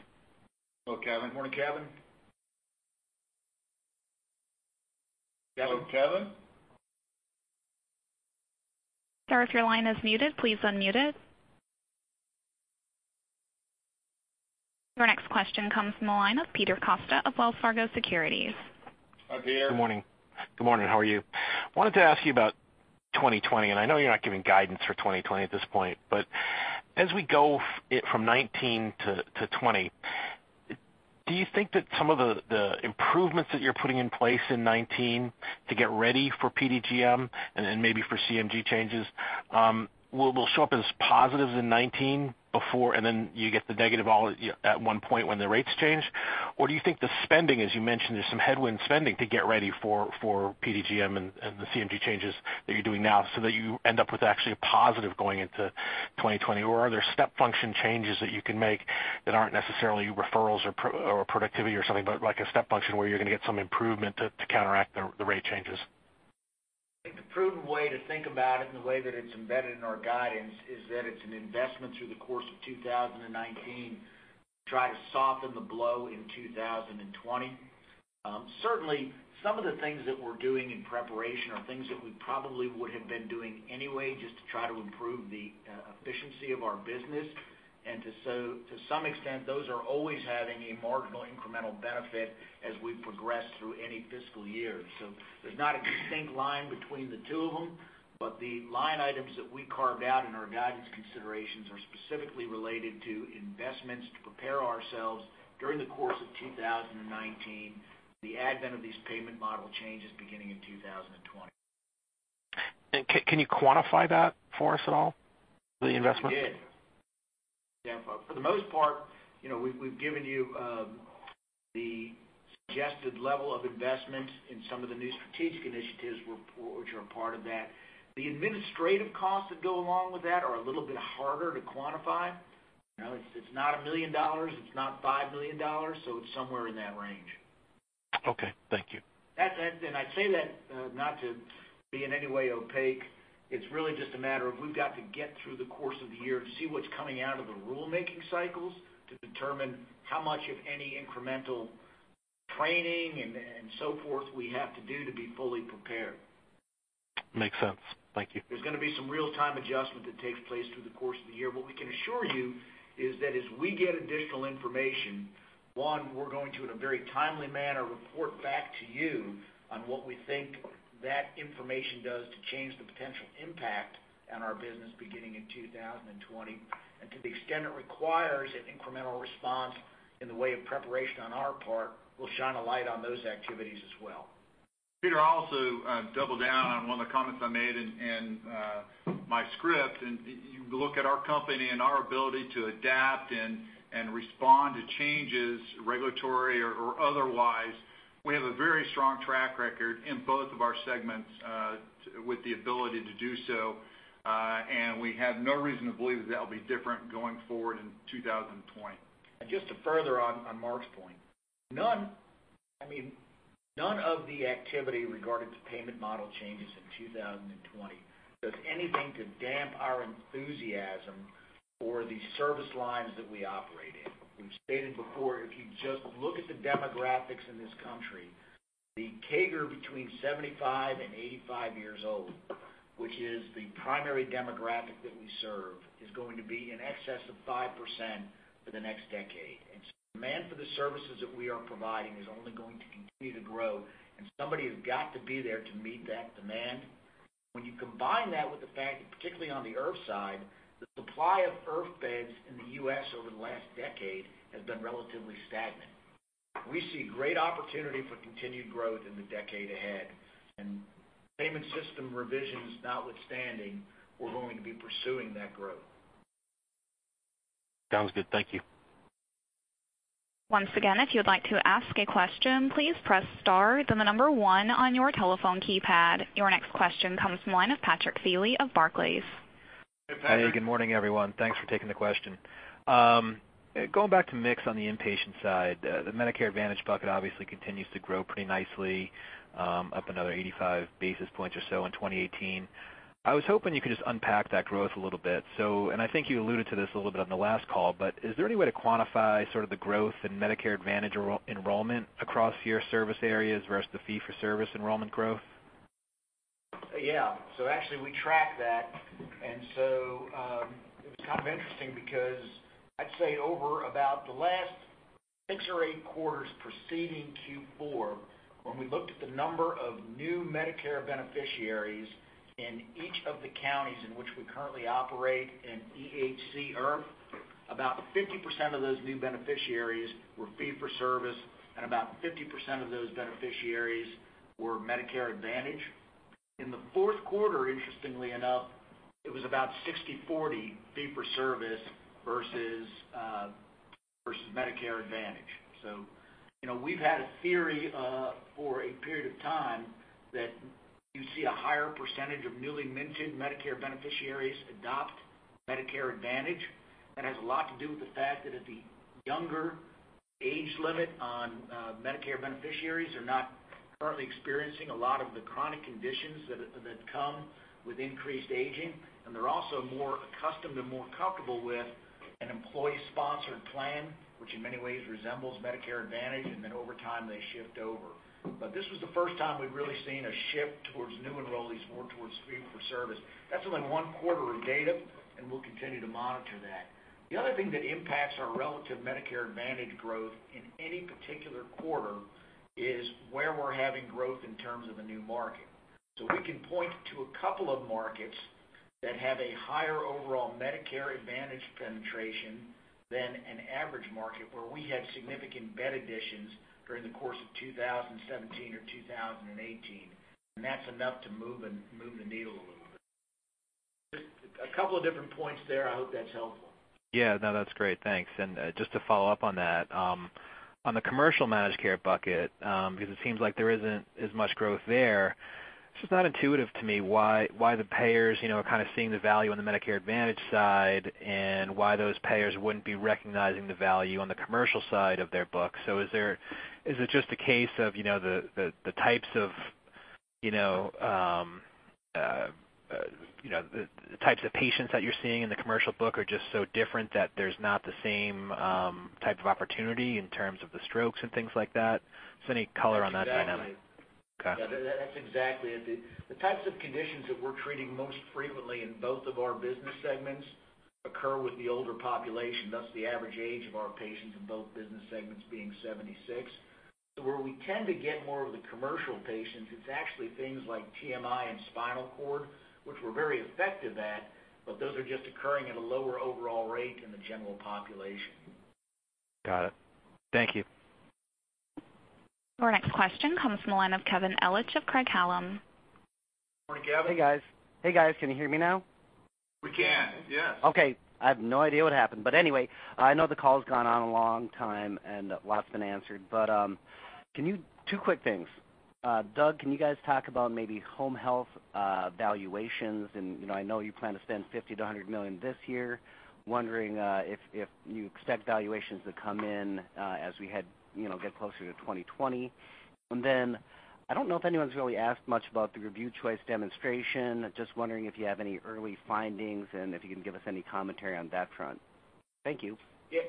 Hello, Kevin. Morning, Kevin. Hello, Kevin? Sir, if your line is muted, please unmute it. Your next question comes from the line of Peter Costa of Wells Fargo Securities. Peter? Good morning. How are you? I wanted to ask you about 2020. I know you're not giving guidance for 2020 at this point. As we go from 2019 to 2020, do you think that some of the improvements that you're putting in place in 2019 to get ready for PDGM and maybe for Case-Mix Groups changes will show up as positives in 2019 before and then you get the negative all at one point when the rates change? Do you think the spending, as you mentioned, there's some headwind spending to get ready for PDGM and the Case-Mix Groups changes that you're doing now, so that you end up with actually a positive going into 2020? Are there step function changes that you can make that aren't necessarily referrals or productivity or something, like a step function where you're going to get some improvement to counteract the rate changes? I think the prudent way to think about it and the way that it's embedded in our guidance is that it's an investment through the course of 2019 to try to soften the blow in 2020. Certainly, some of the things that we're doing in preparation are things that we probably would have been doing anyway just to try to improve the efficiency of our business, and to some extent, those are always having a marginal incremental benefit as we progress through any fiscal year. There's not a distinct line between the two of them, but the line items that we carved out in our guidance considerations are specifically related to investments to prepare ourselves during the course of 2019, the advent of these payment model changes beginning in 2020. Can you quantify that for us at all, the investment? We did. Yeah. For the most part, we've given you the suggested level of investment in some of the new strategic initiatives which are part of that. The administrative costs that go along with that are a little bit harder to quantify. It's not $1 million; it's not $5 million. It's somewhere in that range. Okay, thank you. I say that not to be in any way opaque. It's really just a matter of we've got to get through the course of the year to see what's coming out of the rulemaking cycles to determine how much, if any, incremental training and so forth we have to do to be fully prepared. Makes sense. Thank you. There's going to be some real-time adjustment that takes place through the course of the year. What we can assure you is that as we get additional information, one, we're going to, in a very timely manner, report back to you on what we think that information does to change the potential impact on our business beginning in 2020. To the extent it requires an incremental response in the way of preparation on our part, we'll shine a light on those activities as well. Peter, I'll also double down on one of the comments I made in my script. You look at our company and our ability to adapt and respond to changes, regulatory or otherwise; we have a very strong track record in both of our segments with the ability to do so. We have no reason to believe that that'll be different going forward in 2020. Just to further Mark's point, none of the activity regarding payment model changes in 2020 does anything to damp our enthusiasm for the service lines that we operate in. We've stated before, if you just look at the demographics in this country, the CAGR for 75- and 85 years old, which is the primary demographic that we serve, is going to be in excess of 5% for the next decade. So demand for the services that we are providing is only going to continue to grow, and somebody has got to be there to meet that demand. When you combine that with the fact that particularly on the IRF side, the supply of IRF beds in the U.S. over the last decade has been relatively stagnant. We see great opportunity for continued growth in the decade ahead. Payment system revisions notwithstanding, we're going to be pursuing that growth. Sounds good. Thank you. Once again, if you would like to ask a question, please press the star, then the number one on your telephone keypad. Your next question comes from the line of Patrick Feeley of Barclays. Hey, Patrick. Hey, good morning, everyone. Thanks for taking the question. Going back to mix on the inpatient side, the Medicare Advantage bucket obviously continues to grow pretty nicely, up another 85 basis points or so in 2018. I was hoping you could just unpack that growth a little bit. I think you alluded to this a little bit on the last call, but is there any way to quantify, sort of, the growth in Medicare Advantage enrollment across your service areas versus the fee-for-service enrollment growth? Yeah. Actually we track that. It was kind of interesting because I'd say over about the last six or eight quarters preceding Q4, when we looked at the number of new Medicare beneficiaries in each of the counties in which we currently operate in EHC IRF, about 50% of those new beneficiaries were fee for service, and about 50% of those beneficiaries were Medicare Advantage. In the fourth quarter, interestingly enough, it was about 60/40 fee for service versus Medicare Advantage. We've had a theory for a period of time that you see a higher percentage of newly minted Medicare beneficiaries adopt Medicare Advantage. That has a lot to do with the fact that the younger age limit on Medicare beneficiaries are not currently experiencing a lot of the chronic conditions that come with increased aging. They're also more accustomed and more comfortable with an employee-sponsored plan, which in many ways resembles Medicare Advantage, and then over time they shift over. This was the first time we've really seen a shift towards new enrollees more towards fee-for-service. That's only one quarter of data, and we'll continue to monitor that. The other thing that impacts our relative Medicare Advantage growth in any particular quarter is where we're having growth in terms of a new market. We can point to a couple of markets that have a higher overall Medicare Advantage penetration than an average market where we had significant bed additions during the course of 2017 or 2018, and that's enough to move the needle a little bit. Just a couple of different points there. I hope that's helpful. Yeah. No, that's great. Thanks. Just to follow up on that, on the commercial managed care bucket, because it seems like there isn't as much growth there, it's just not intuitive to me why the payers are kind of seeing the value on the Medicare Advantage side and why those payers wouldn't be recognizing the value on the commercial side of their book. Is it just a case of the types of patients that you're seeing in the commercial book are just so different that there's not the same type of opportunity in terms of the strokes and things like that? Just any color on that dynamic. That's exactly it. Okay. That's exactly it. The types of conditions that we're treating most frequently in both of our business segments occur with the older population, thus the average age of our patients in both business segments is 76. Where we tend to get more of the commercial patients, it's actually things like TBI and spinal cord, which we're very effective at, but those are just occurring at a lower overall rate in the general population. Got it. Thank you. Our next question comes from the line of Kevin Ellich of Craig-Hallum. Morning, Kevin. Hey, guys. Can you hear me now? We can, yes. Okay. I have no idea what happened. Anyway, I know the call has gone on a long time, and lots've been answered. Two quick things. Doug, can you guys talk about maybe home health valuations? I know you plan to spend $50 million-$100 million this year. Wondering if you expect valuations to come in as we get closer to 2020. I don't know if anyone's really asked much about the Review Choice Demonstration. I am just wondering if you have any early findings and if you can give us any commentary on that front. Thank you. Yeah.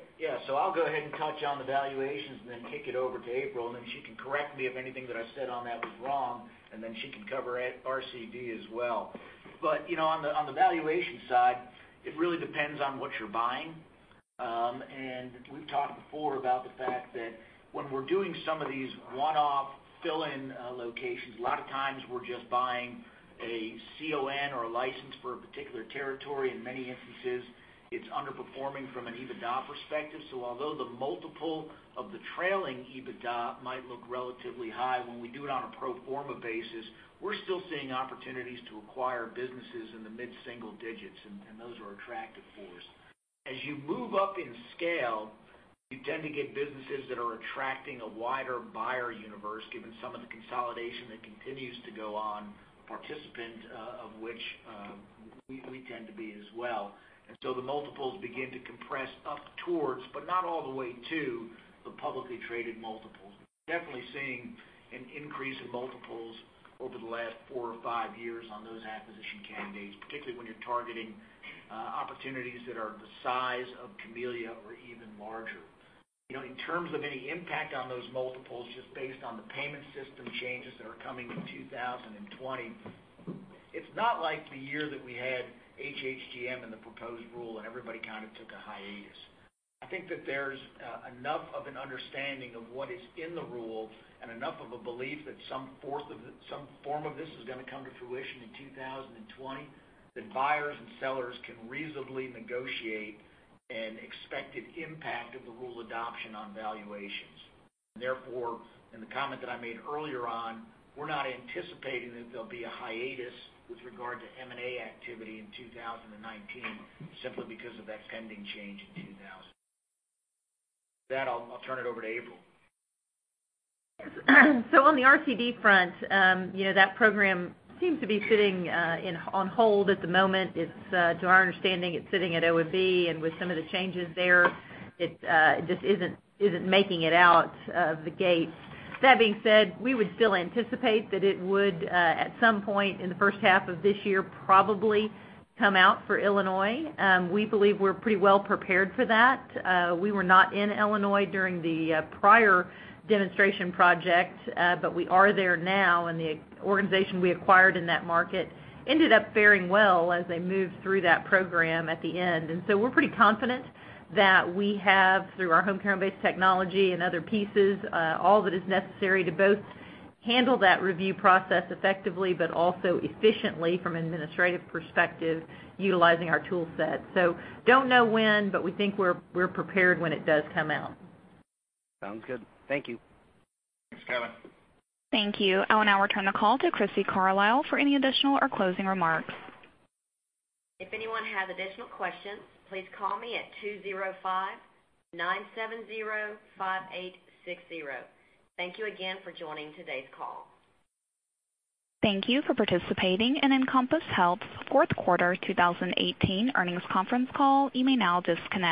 I'll go ahead and touch on the valuations and then kick it over to April, and then she can correct me if anything that I said on that was wrong, and then she can cover RCD as well. On the valuation side, it really depends on what you're buying. We've talked before about the fact that when we're doing some of these one-off fill-in locations, a lot of times we're just buying a CON or a license for a particular territory. In many instances, it's underperforming from an EBITDA perspective. Although the multiple of the trailing EBITDA might look relatively high when we do it on a pro forma basis, we're still seeing opportunities to acquire businesses in the mid-single digits, and those are attractive for us. As you move up in scale, you tend to get businesses that are attracting a wider buyer universe, given some of the consolidation that continues to go on, participant of which we tend to be as well. The multiples begin to compress up towards, but not all the way to, the publicly traded multiples. We're definitely seeing an increase in multiples over the last four or five years on those acquisition candidates, particularly when you're targeting opportunities that are the size of Camellia or even larger. In terms of any impact on those multiples, just based on the payment system changes that are coming in 2020, it's not like the year that we had HHGM and the proposed rule and everybody kind of took a hiatus. I think that there's enough of an understanding of what is in the rule and enough of a belief that some form of this is going to come to fruition in 2020 that buyers and sellers can reasonably negotiate an expected impact of the rule adoption on valuations. Therefore, in the comment that I made earlier on, we're not anticipating that there'll be a hiatus with regard to M&A activity in 2019 simply because of that pending change in 2020. With that, I'll turn it over to April. On the RCD front, that program seems to be sitting on hold at the moment. To our understanding, it's sitting at OMB, and with some of the changes there, it just isn't making it out of the gate. That being said, we would still anticipate that it would, at some point in the first half of this year, probably come out for Illinois. We believe we're pretty well prepared for that. We were not in Illinois during the prior demonstration project, but we are there now, and the organization we acquired in that market ended up faring well as they moved through that program at the end. We're pretty confident that we have, through our Homecare Homebase technology and other pieces, all that is necessary to both handle that review process effectively, but also efficiently from an administrative perspective, utilizing our tool set. Don't know when, but we think we're prepared when it does come out. Sounds good. Thank you. Thanks, Kevin. Thank you. I will now return the call to Crissy Carlisle for any additional or closing remarks. If anyone has additional questions, please call me at 205-970-5860. Thank you again for joining today's call. Thank you for participating in Encompass Health's fourth quarter 2018 earnings conference call. You may now disconnect.